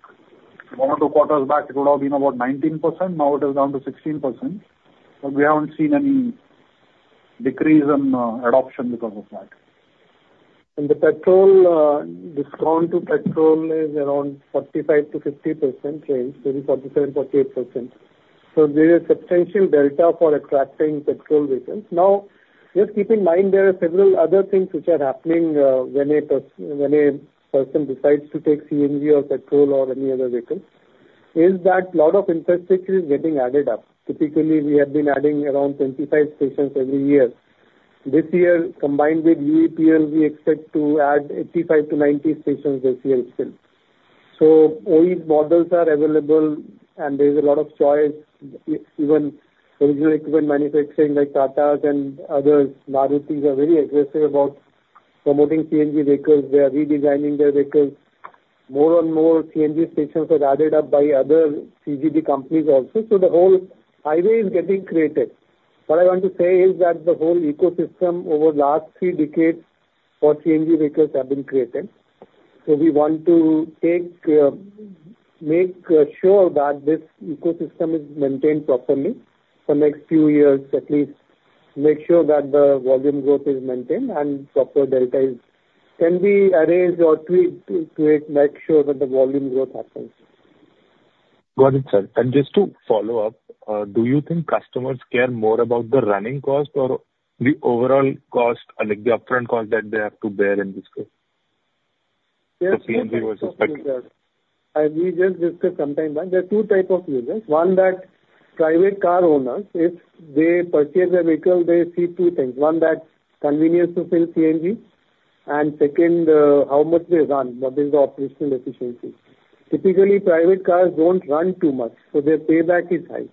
one or two quarters back. It would have been about 19%, now it is down to 16%. But we haven't seen any decrease in adoption because of that. And the petrol discount to petrol is around 45%-50% range, maybe 47%-48%. So there is substantial delta for attracting petrol vehicles. Now, just keep in mind, there are several other things which are happening when a person decides to take CNG or petrol or any other vehicle. That is a lot of infrastructure is getting added up. Typically, we have been adding around 25 stations every year. This year, combined with UEPL, we expect to add 85-90 stations this year still. So OE models are available, and there is a lot of choice. Even original equipment manufacturing, like Tatas and others, Marutis, are very aggressive about promoting CNG vehicles. They are redesigning their vehicles. More and more CNG stations are added up by other CGD companies also. So the whole highway is getting created. What I want to say is that the whole ecosystem over the last three decades for CNG vehicles have been created. So we want to take, make, sure that this ecosystem is maintained properly for next few years, at least, make sure that the volume growth is maintained and proper delta can be arranged or tweaked to, to make sure that the volume growth happens. Got it, sir. And just to follow up, do you think customers care more about the running cost or the overall cost, like the upfront cost that they have to bear in this case? The CNG versus petrol. As we just discussed sometime back, there are two type of users. One, that private car owners, if they purchase a vehicle, they see two things: One, that convenience to fill CNG, and second, how much they run, what is the operational efficiency. Typically, private cars don't run too much, so their payback is high.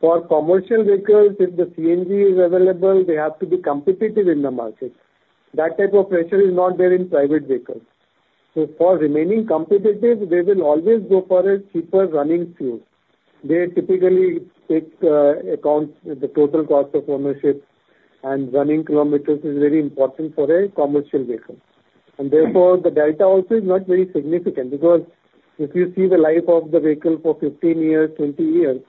For commercial vehicles, if the CNG is available, they have to be competitive in the market. That type of pressure is not there in private vehicles. So for remaining competitive, they will always go for a cheaper running fuel. They typically take, account the total cost of ownership, and running kilometers is very important for a commercial vehicle. And therefore, the delta also is not very significant, because if you see the life of the vehicle for fifteen years, twenty years,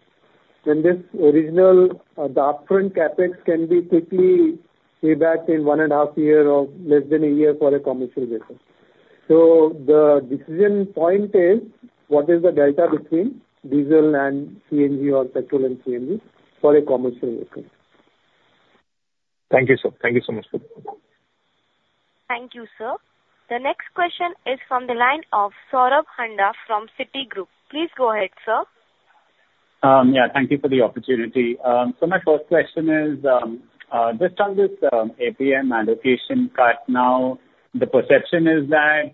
then this original, the upfront CapEx can be quickly paid back in one and a half year or less than a year for a commercial vehicle. So the decision point is, what is the delta between diesel and CNG or petrol and CNG for a commercial vehicle? Thank you, sir. Thank you so much. Thank you, sir. The next question is from the line of Saurabh Handa from Citigroup. Please go ahead, sir. Yeah, thank you for the opportunity. So my first question is, just on this, APM allocation cut now, the perception is that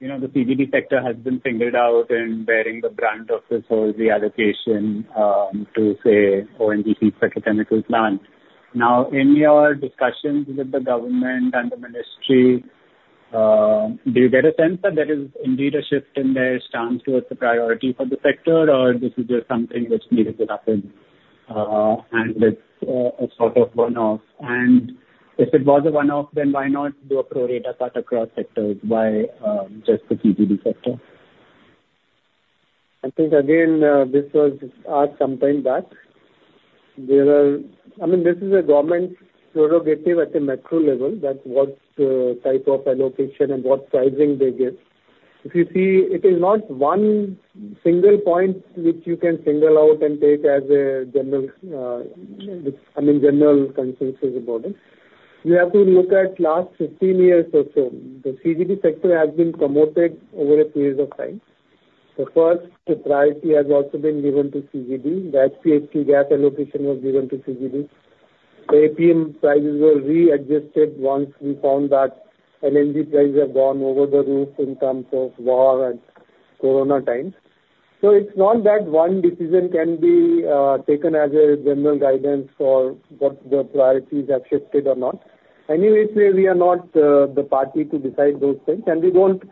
you know, the CGD sector has been singled out in bearing the brunt of this whole reallocation, to say, ONGC petrochemical plant. Now, in your discussions with the government and the ministry, do you get a sense that there is indeed a shift in their stance towards the priority for the sector, or this is just something which needed to happen, and it's a sort of one-off? And if it was a one-off, then why not do a pro rata cut across sectors by just the CGD sector? I think, again, this was some time back. There are, I mean, this is a government prerogative at a macro level, that what type of allocation and what pricing they give. If you see, it is not one single point which you can single out and take as a general, I mean, general consensus about it. You have to look at last fifteen years or so. The CGD sector has been promoted over a period of time. The first priority has also been given to CGD. That P&NG gas allocation was given to CGD. The APM prices were readjusted once we found that LNG prices have gone over the roof in terms of war and corona times. So it's not that one decision can be taken as a general guidance for whether the priorities have shifted or not. Anyways, we are not the party to decide those things, and we don't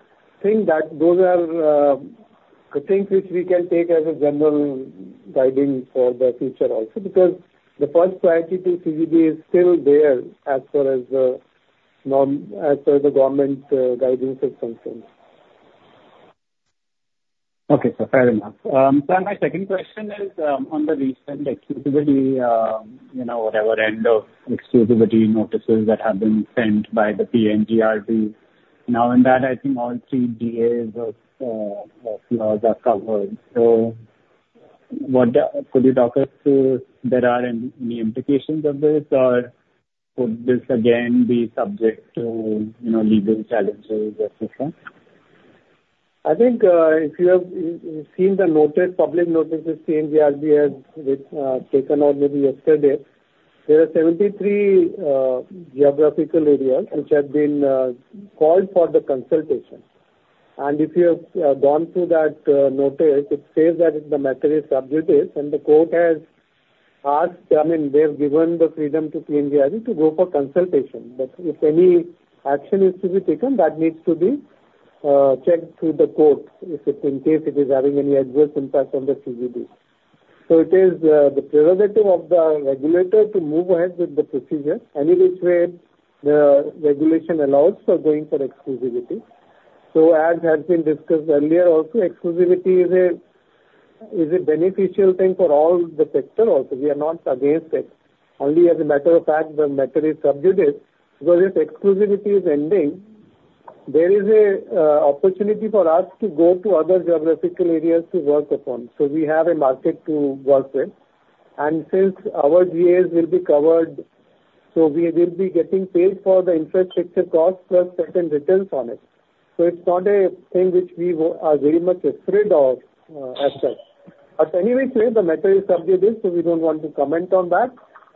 think that those are the things which we can take as a general guiding for the future also. Because the first priority to CGD is still there as far as norm, as per the government guidance is concerned. Okay, sir, fair enough. Sir, my second question is on the recent exclusivity, you know, whatever end of exclusivity notices that have been sent by the PNGRB. Now, in that, I think all three GAs of MGL's are covered. So what... Could you talk us through there are any implications of this, or could this again be subject to, you know, legal challenges and so on? I think, if you have seen the notice, public notices, PNGRB has, which taken out maybe yesterday, there are 73 geographical areas which have been called for the consultation. And if you have gone through that notice, it says that the matter is sub judice, and the court has asked, I mean, they have given the freedom to PNGRB to go for consultation. But if any action is to be taken, that needs to be checked through the court, if it, in case it is having any adverse impact on the CGD. So it is the prerogative of the regulator to move ahead with the procedure. Any which way, the regulation allows for going for exclusivity. So as has been discussed earlier, also exclusivity is a, is a beneficial thing for all the sector also. We are not against it. Only as a matter of fact, the matter is sub judice, because if exclusivity is ending, there is a opportunity for us to go to other geographical areas to work upon. So we have a market to work with. And since our GAs will be covered, so we will be getting paid for the infrastructure cost, plus certain returns on it. So it's not a thing which we are very much afraid of, as such. But anyways, say the matter is sub judice, so we don't want to comment on that.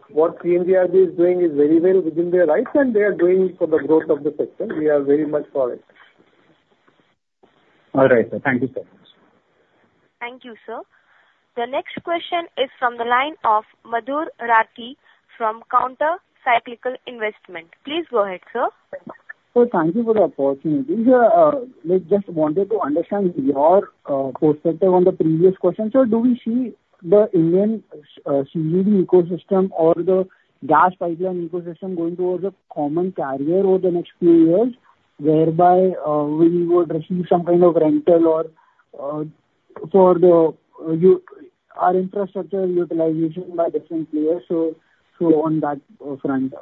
What PNGRB is doing is very well within their rights, and they are doing it for the growth of the sector. We are very much for it. All right, sir. Thank you, sir. Thank you, sir. The next question is from the line of Madhur Rathi from Counter Cyclical Investments. Please go ahead, sir. Sir, thank you for the opportunity. We just wanted to understand your perspective on the previous question. So do we see the Indian CGD ecosystem or the gas pipeline ecosystem going towards a common carrier over the next few years, whereby we would receive some kind of rental or for our infrastructure utilization by different players? So on that front,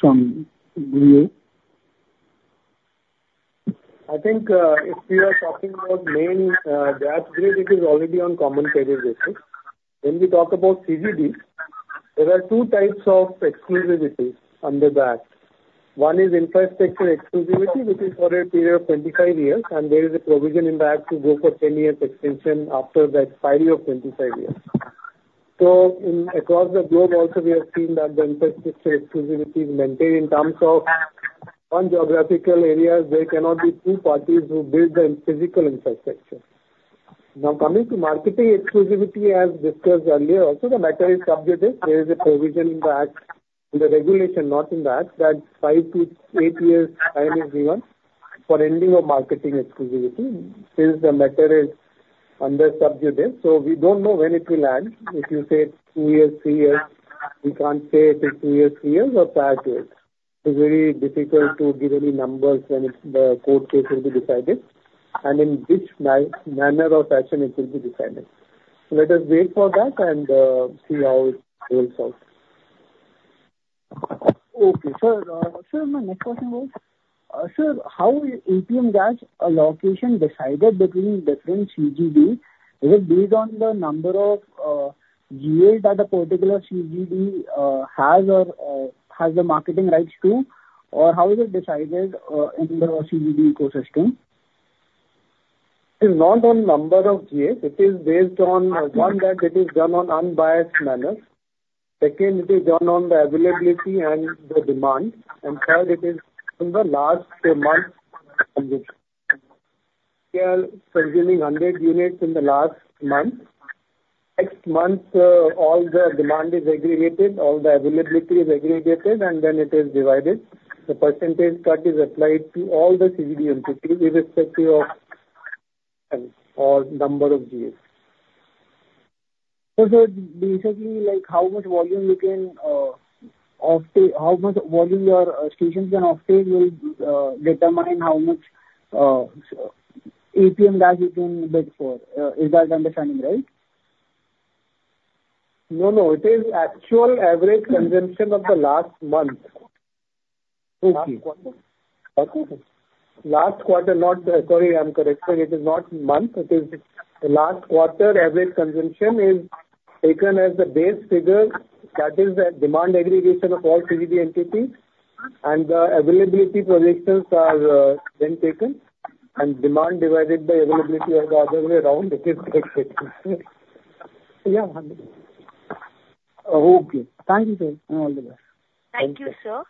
some view. I think, if we are talking about main gas grid, it is already on common carrier basis. When we talk about CGD, there are two types of exclusivity under the act. One is infrastructure exclusivity, which is for a period of twenty-five years, and there is a provision in the act to go for ten years extension after the expiry of twenty-five years. So, across the globe also we have seen that the infrastructure exclusivity is maintained in terms of one geographical areas, there cannot be two parties who build the physical infrastructure. Now, coming to marketing exclusivity, as discussed earlier, also the matter is sub judice. There is a provision in the act, in the regulation, not in the act, that five to eight years time is given for ending of marketing exclusivity, since the matter is under sub judice, so we don't know when it will end. If you say two years, three years, we can't say it is two years, three years or five years. It's very difficult to give any numbers when it's the court case will be decided, and in which manner or fashion it will be decided. So let us wait for that and see how it plays out. Okay, sir. Sir, my next question was, sir, how is APM gas allocation decided between different CGD? Is it based on the number of GA that a particular CGD has or has the marketing rights to? Or how is it decided in the CGD ecosystem?... It is not on number of GAs, it is based on, one, that it is done on unbiased manner. Second, it is done on the availability and the demand, and third, it is in the last four months they are consuming 100 units in the last month. Next month, all the demand is aggregated, all the availability is aggregated, and then it is divided. The percentage that is applied to all the CGD entities, irrespective of, and or number of GAs. So, so basically, like how much volume you can, offtake, how much volume your, stations can offtake will, determine how much, APM gas you can bid for. Is that understanding right? No, no, it is actual average consumption of the last month. Okay. Last quarter. Okay. Last quarter, not... Sorry, I'm correcting. It is not month, it is the last quarter. Average consumption is taken as the base figure. That is the demand aggregation of all CGD entities, and the availability projections are then taken, and demand divided by availability or the other way around, it is taken. Yeah. Okay. Thank you. All the best. Thank you, sir.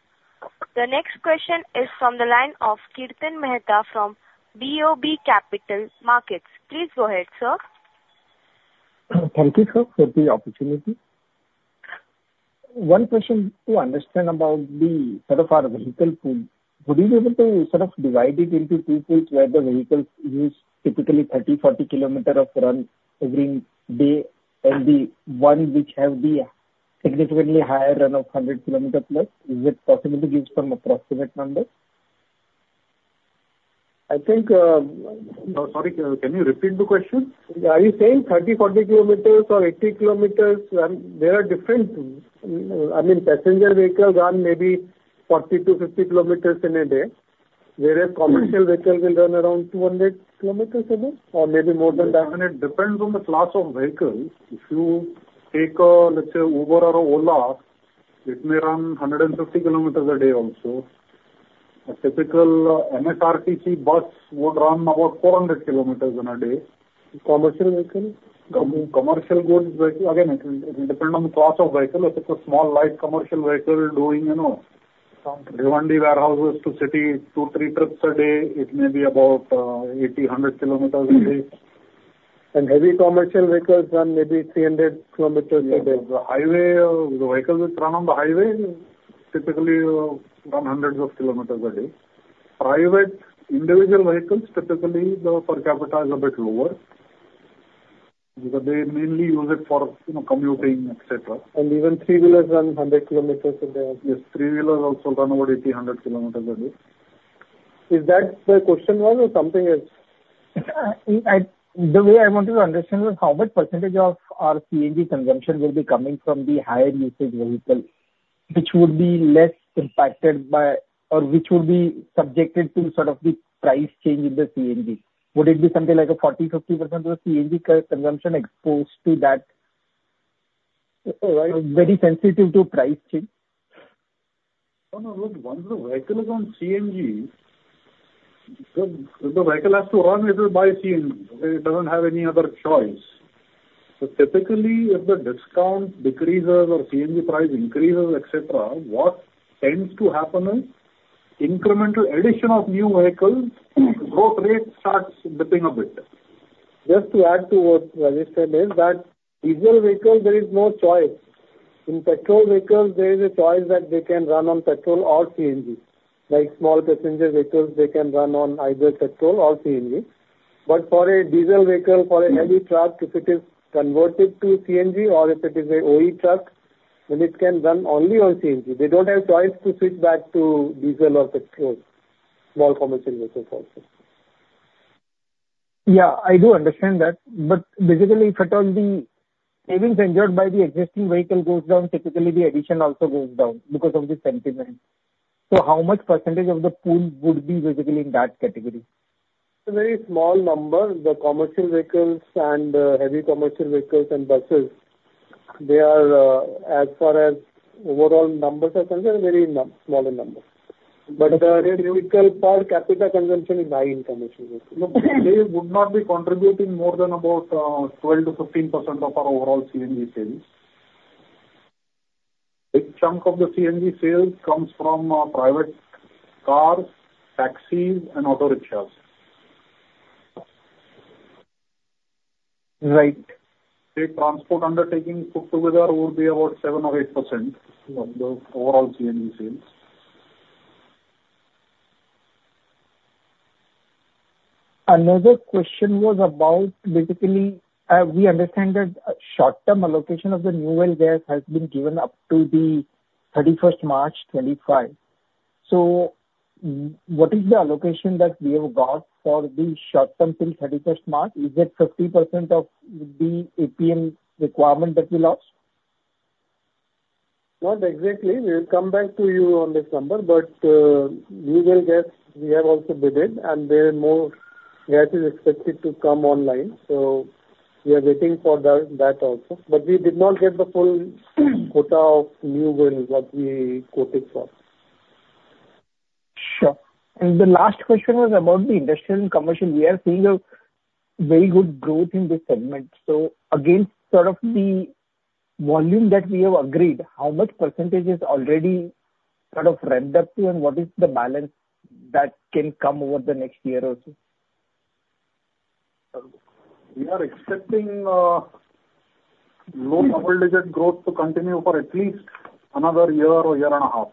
The next question is from the line of Kirtan Mehta from BOB Capital Markets. Please go ahead, sir. Thank you, sir, for the opportunity. One question to understand about the sort of our vehicle pool, would you be able to sort of divide it into two pools, where the vehicles use typically thirty, forty kilometer of run every day, and the one which have the significantly higher run of hundred kilometer plus? Is it possible to give some approximate number? I think. Can you repeat the question? Are you saying thirty, forty kilometers or eighty kilometers? There are different. I mean, passenger vehicles run maybe forty to fifty kilometers in a day, whereas commercial vehicles will run around two hundred kilometers a day, or maybe more than that. I mean, it depends on the class of vehicles. If you take, let's say, Uber or Ola, it may run hundred and fifty kilometers a day also. A typical MSRTC bus would run about 400 km in a day. Commercial vehicle? Commercial goods vehicle. Again, it will depend on the class of vehicle. If it's a small, light commercial vehicle doing, you know, some Rewari warehouses to city, two, three trips a day, it may be about 80-100 km a day. And heavy commercial vehicles run maybe 300 km a day. Yeah. The highway, the vehicles which run on the highway typically run hundreds of km a day. Private individual vehicles, typically, the per capita is a bit lower, because they mainly use it for, you know, commuting, et cetera. And even three-wheelers run 100 km a day. Yes, three-wheelers also run about 80-100 km a day. Is that the question was or something else? The way I wanted to understand is how much percentage of our CNG consumption will be coming from the higher usage vehicles, which would be less impacted by or which would be subjected to sort of the price change in the CNG? Would it be something like a 40%-50% of the CNG consumption exposed to that, right? Very sensitive to price change? No, no. Once the vehicle is on CNG, the vehicle has to run, it will buy CNG. It doesn't have any other choice. So typically, if the discount decreases or CNG price increases, et cetera, what tends to happen is incremental addition of new vehicles, growth rate starts dipping a bit. Just to add to what Rajesh said is that diesel vehicles, there is no choice. In petrol vehicles, there is a choice that they can run on petrol or CNG. Like small passenger vehicles, they can run on either petrol or CNG. But for a diesel vehicle, for a heavy truck, if it is converted to CNG or if it is a OE truck, then it can run only on CNG. They don't have choice to switch back to diesel or petrol. Small commercial vehicles also. Yeah, I do understand that, but basically if at all the savings endured by the existing vehicle goes down, typically the addition also goes down because of the sentiment. So how much percentage of the pool would be basically in that category? It's a very small number. The commercial vehicles and, heavy commercial vehicles and buses, they are, as far as overall numbers are concerned, they're very small in number. But, the vehicle per capita consumption is high in commercial vehicles. They would not be contributing more than about 12-15% of our overall CNG sales. A chunk of the CNG sales comes from private cars, taxis, and auto rickshaws. Right. The transport undertaking put together will be about 7 or 8% of the overall CNG sales. Another question was about basically, we understand that short-term allocation of the new well gas has been given up to the 31st March 2025. So what is the allocation that we have got for the short term till 31st March? Is it 50% of the APM requirement that we lost? Not exactly. We will come back to you on this number, but new well gas, we have also bid, and there are more gas is expected to come online, so we are waiting for that also. But we did not get the full quota of new wells that we quoted for. Sure. And the last question was about the industrial and commercial. We are seeing a very good growth in this segment, so against sort of the volume that we have agreed, how much percentage is already sort of realized, and what is the balance that can come over the next year or two? We are expecting low double digit growth to continue for at least another year or year and a half.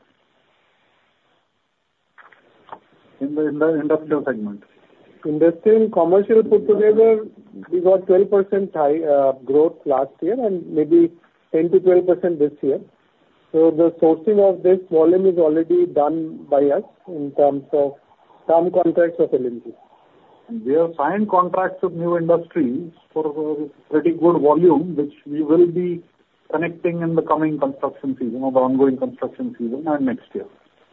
In the industrial segment. Industrial and commercial put together, we got 12% high growth last year and maybe 10%-12% this year. So the sourcing of this volume is already done by us in terms of term contracts of LNG. We have signed contracts with new industries for a pretty good volume, which we will be connecting in the coming construction season, or the ongoing construction season and next year.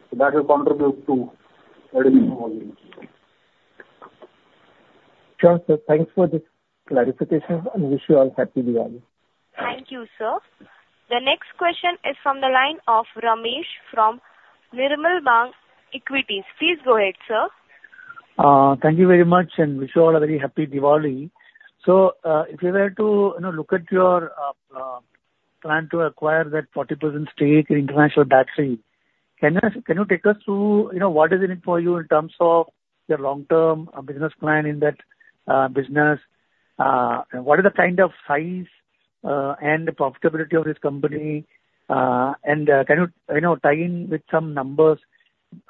So that will contribute to additional volume. Sure, sir. Thanks for this clarification, and wish you all happy Diwali! Thank you, sir. The next question is from the line of Ramesh from Nirmal Bang Equities. Please go ahead, sir. Thank you very much, and wish you all a very happy Diwali. So, if you were to, you know, look at your plan to acquire that 40% stake in International Battery, can you take us through, you know, what is in it for you in terms of your long-term business plan in that business? What are the kind of size, and the profitability of this company, and can you, you know, tie in with some numbers,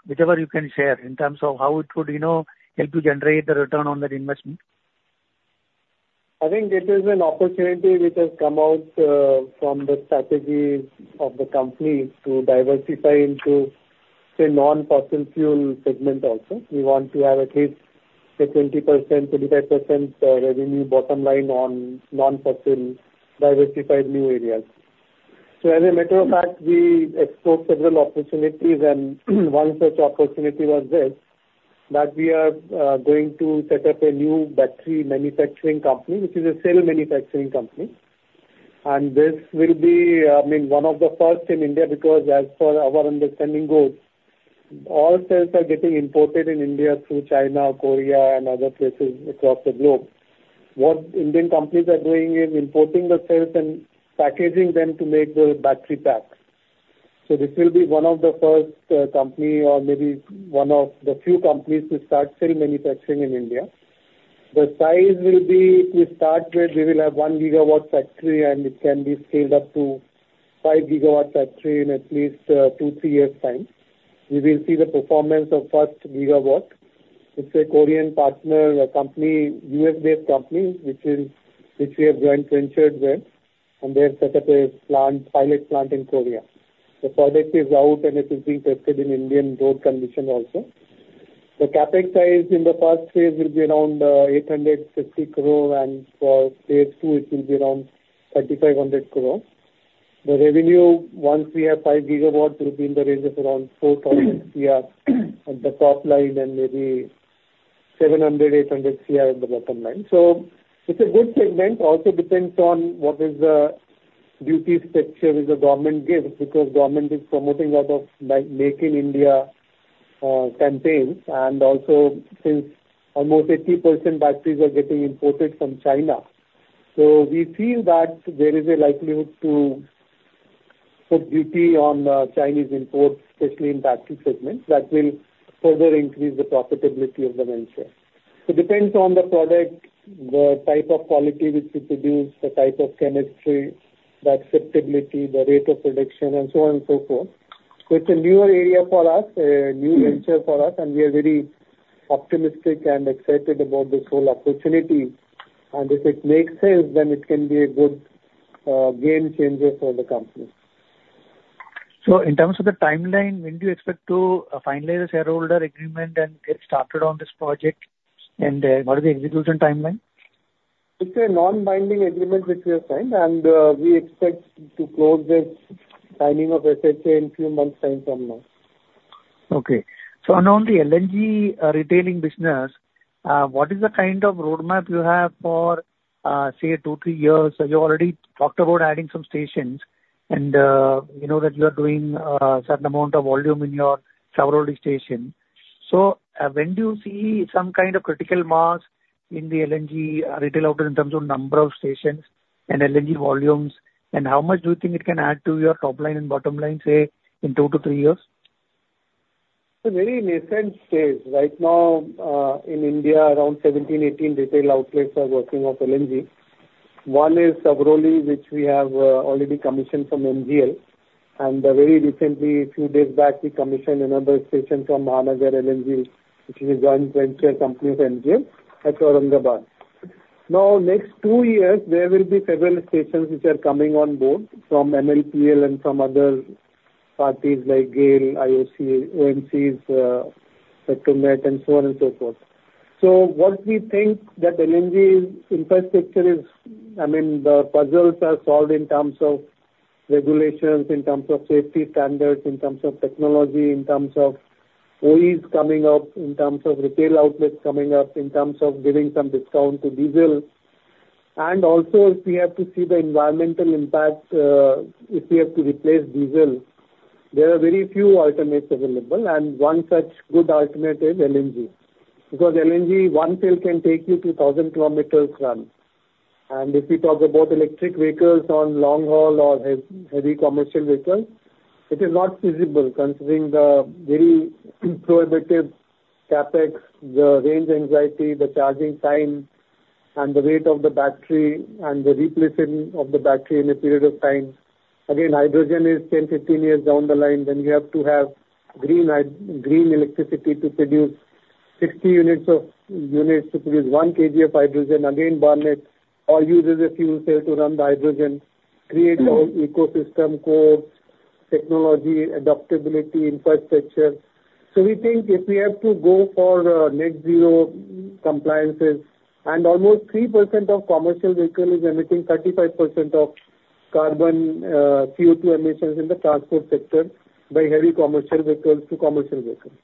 whichever you can share, in terms of how it would, you know, help you generate the return on that investment? I think this is an opportunity which has come out from the strategy of the company to diversify into, say, non-fossil fuel segment also. We want to have at least say 20%-35% revenue bottom line on non-fossil diversified new areas. So as a matter of fact, we explored several opportunities, and one such opportunity was this, that we are going to set up a new battery manufacturing company, which is a cell manufacturing company. And this will be, I mean, one of the first in India, because as per our understanding goes, all cells are getting imported in India through China, Korea, and other places across the globe. What Indian companies are doing is importing the cells and packaging them to make the battery pack. This will be one of the first company or maybe one of the few companies to start cell manufacturing in India. The size will be, to start with, we will have one GWh factory, and it can be scaled up to five GWh factory in at least two, three years' time. We will see the performance of first GWh. It's a Korean partner, a company, US-based company, which is, which we have joint ventured with, and they have set up a plant, pilot plant in Korea. The product is out, and it is being tested in Indian road conditions also. The CapEx size in the first phase will be around 860 crore, and for phase two, it will be around 3,500 crore. The revenue, once we have five gigawatts, will be in the range of around 4,000 crore at the top line and maybe 700-800 crore at the bottom line. So it's a good segment, also depends on what is the duty structure which the government gives, because government is promoting a lot of, like, Make in India, campaigns, and also since almost 80% batteries are getting imported from China. So we feel that there is a likelihood to put duty on, Chinese imports, especially in battery segment. That will further increase the profitability of the venture. It depends on the product, the type of quality which we produce, the type of chemistry, the acceptability, the rate of production, and so on and so forth. So it's a newer area for us, a new venture for us, and we are very optimistic and excited about this whole opportunity. And if it makes sense, then it can be a good, game changer for the company. So in terms of the timeline, when do you expect to finalize the shareholder agreement and get started on this project? And what is the execution timeline? It's a non-binding agreement which we have signed, and, we expect to close this signing of SHA in few months' time from now. Okay. So and on the LNG, retailing business, what is the kind of roadmap you have for, say, two, three years? You already talked about adding some stations, and, you know that you are doing, certain amount of volume in your Savroli station. So, when do you see some kind of critical mass in the LNG, retail outlet in terms of number of stations and LNG volumes? And how much do you think it can add to your top line and bottom line, say, in two to three years? It's a very nascent stage. Right now, in India, around seventeen, eighteen retail outlets are working off LNG. One is Savroli, which we have already commissioned from MGL. And, very recently, a few days back, we commissioned another station from Mahanagar LNG, which is a joint venture company of MGL at Aurangabad. Now, next two years, there will be several stations which are coming on board from MLPL and some other parties like GAIL, IOC, ONGC, Petronet, and so on and so forth. So once we think that LNG infrastructure is... I mean, the puzzles are solved in terms of regulations, in terms of safety standards, in terms of technology, in terms of OEs coming up, in terms of retail outlets coming up, in terms of giving some discount to diesel. Also, if we have to see the environmental impact, if we have to replace diesel, there are very few alternatives available, and one such good alternative is LNG. Because LNG, one fill can take you to thousand kilometers run. And if we talk about electric vehicles on long haul or heavy commercial vehicles, it is not feasible considering the very prohibitive CapEx, the range anxiety, the charging time, and the weight of the battery, and the replacement of the battery in a period of time. Again, hydrogen is 10, 15 years down the line. Then we have to have green electricity to produce 60 units to produce 1 kg of hydrogen. Again, burn it, or use it as fuel cell to run the hydrogen, create a whole ecosystem, codes, technology, adaptability, infrastructure. So we think if we have to go for net zero compliances, and almost 3% of commercial vehicle is emitting 35% of carbon, CO2 emissions in the transport sector by heavy commercial vehicles to commercial vehicles.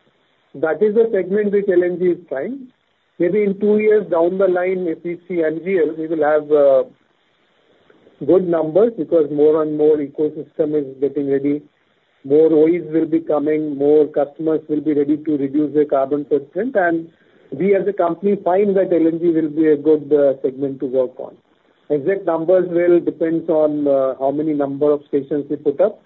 That is the segment which LNG is trying. Maybe in two years down the line, if we see LNG, we will have good numbers because more and more ecosystem is getting ready, more OEs will be coming, more customers will be ready to reduce their carbon footprint. And we as a company find that LNG will be a good segment to work on. Exact numbers will depends on how many number of stations we put up,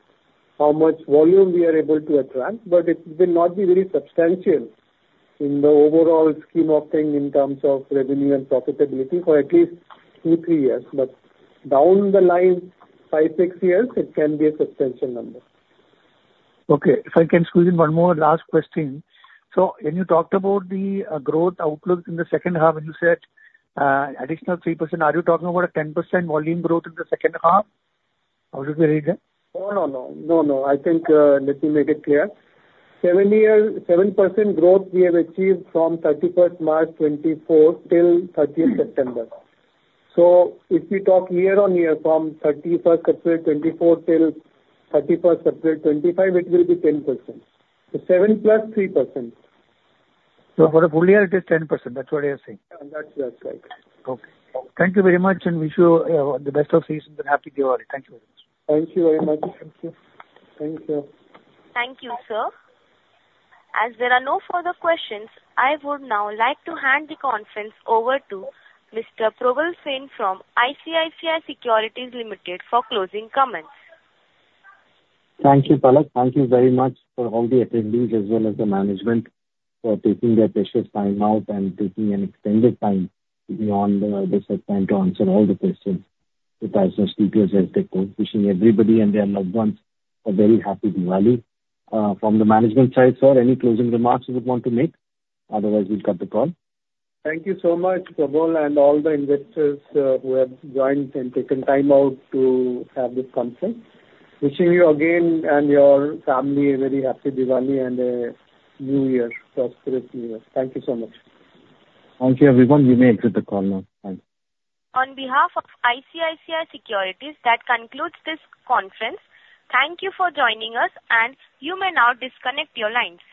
how much volume we are able to attract, but it will not be very substantial in the overall scheme of things in terms of revenue and profitability for at least two, three years. But down the line, five, six years, it can be a substantial number. Okay. If I can squeeze in one more last question. So when you talked about the growth outlook in the second half, and you said additional 3%, are you talking about a 10% volume growth in the second half? How should we read that? No, no, no. No, no. I think, let me make it clear. 7% growth we have achieved from 31st March 2024 till 31st September. So if we talk year-on-year from 31st April 2024 till 31st April 2025, it will be 10%. So 7% plus 3%. So for the full year, it is 10%. That's what you are saying? That's, that's right. Okay. Thank you very much, and wish you the best of season and happy Diwali. Thank you very much. Thank you very much. Thank you. Thank you. Thank you, sir. As there are no further questions, I would now like to hand the conference over to Mr. Probal Sen from ICICI Securities Limited for closing comments. Thank you, Palak. Thank you very much for all the attendees as well as the management for taking their precious time out and taking an extended time beyond the set time to answer all the questions. With that, wishing everybody and their loved ones a very happy Diwali. From the management side, sir, any closing remarks you would want to make? Otherwise, we'll cut the call. Thank you so much, Probal, and all the investors who have joined and taken time out to have this conference. Wishing you again and your family a very happy Diwali and a new year, prosperous new year. Thank you so much. Thank you, everyone. You may exit the call now. Bye. On behalf of ICICI Securities, that concludes this conference. Thank you for joining us, and you may now disconnect your lines.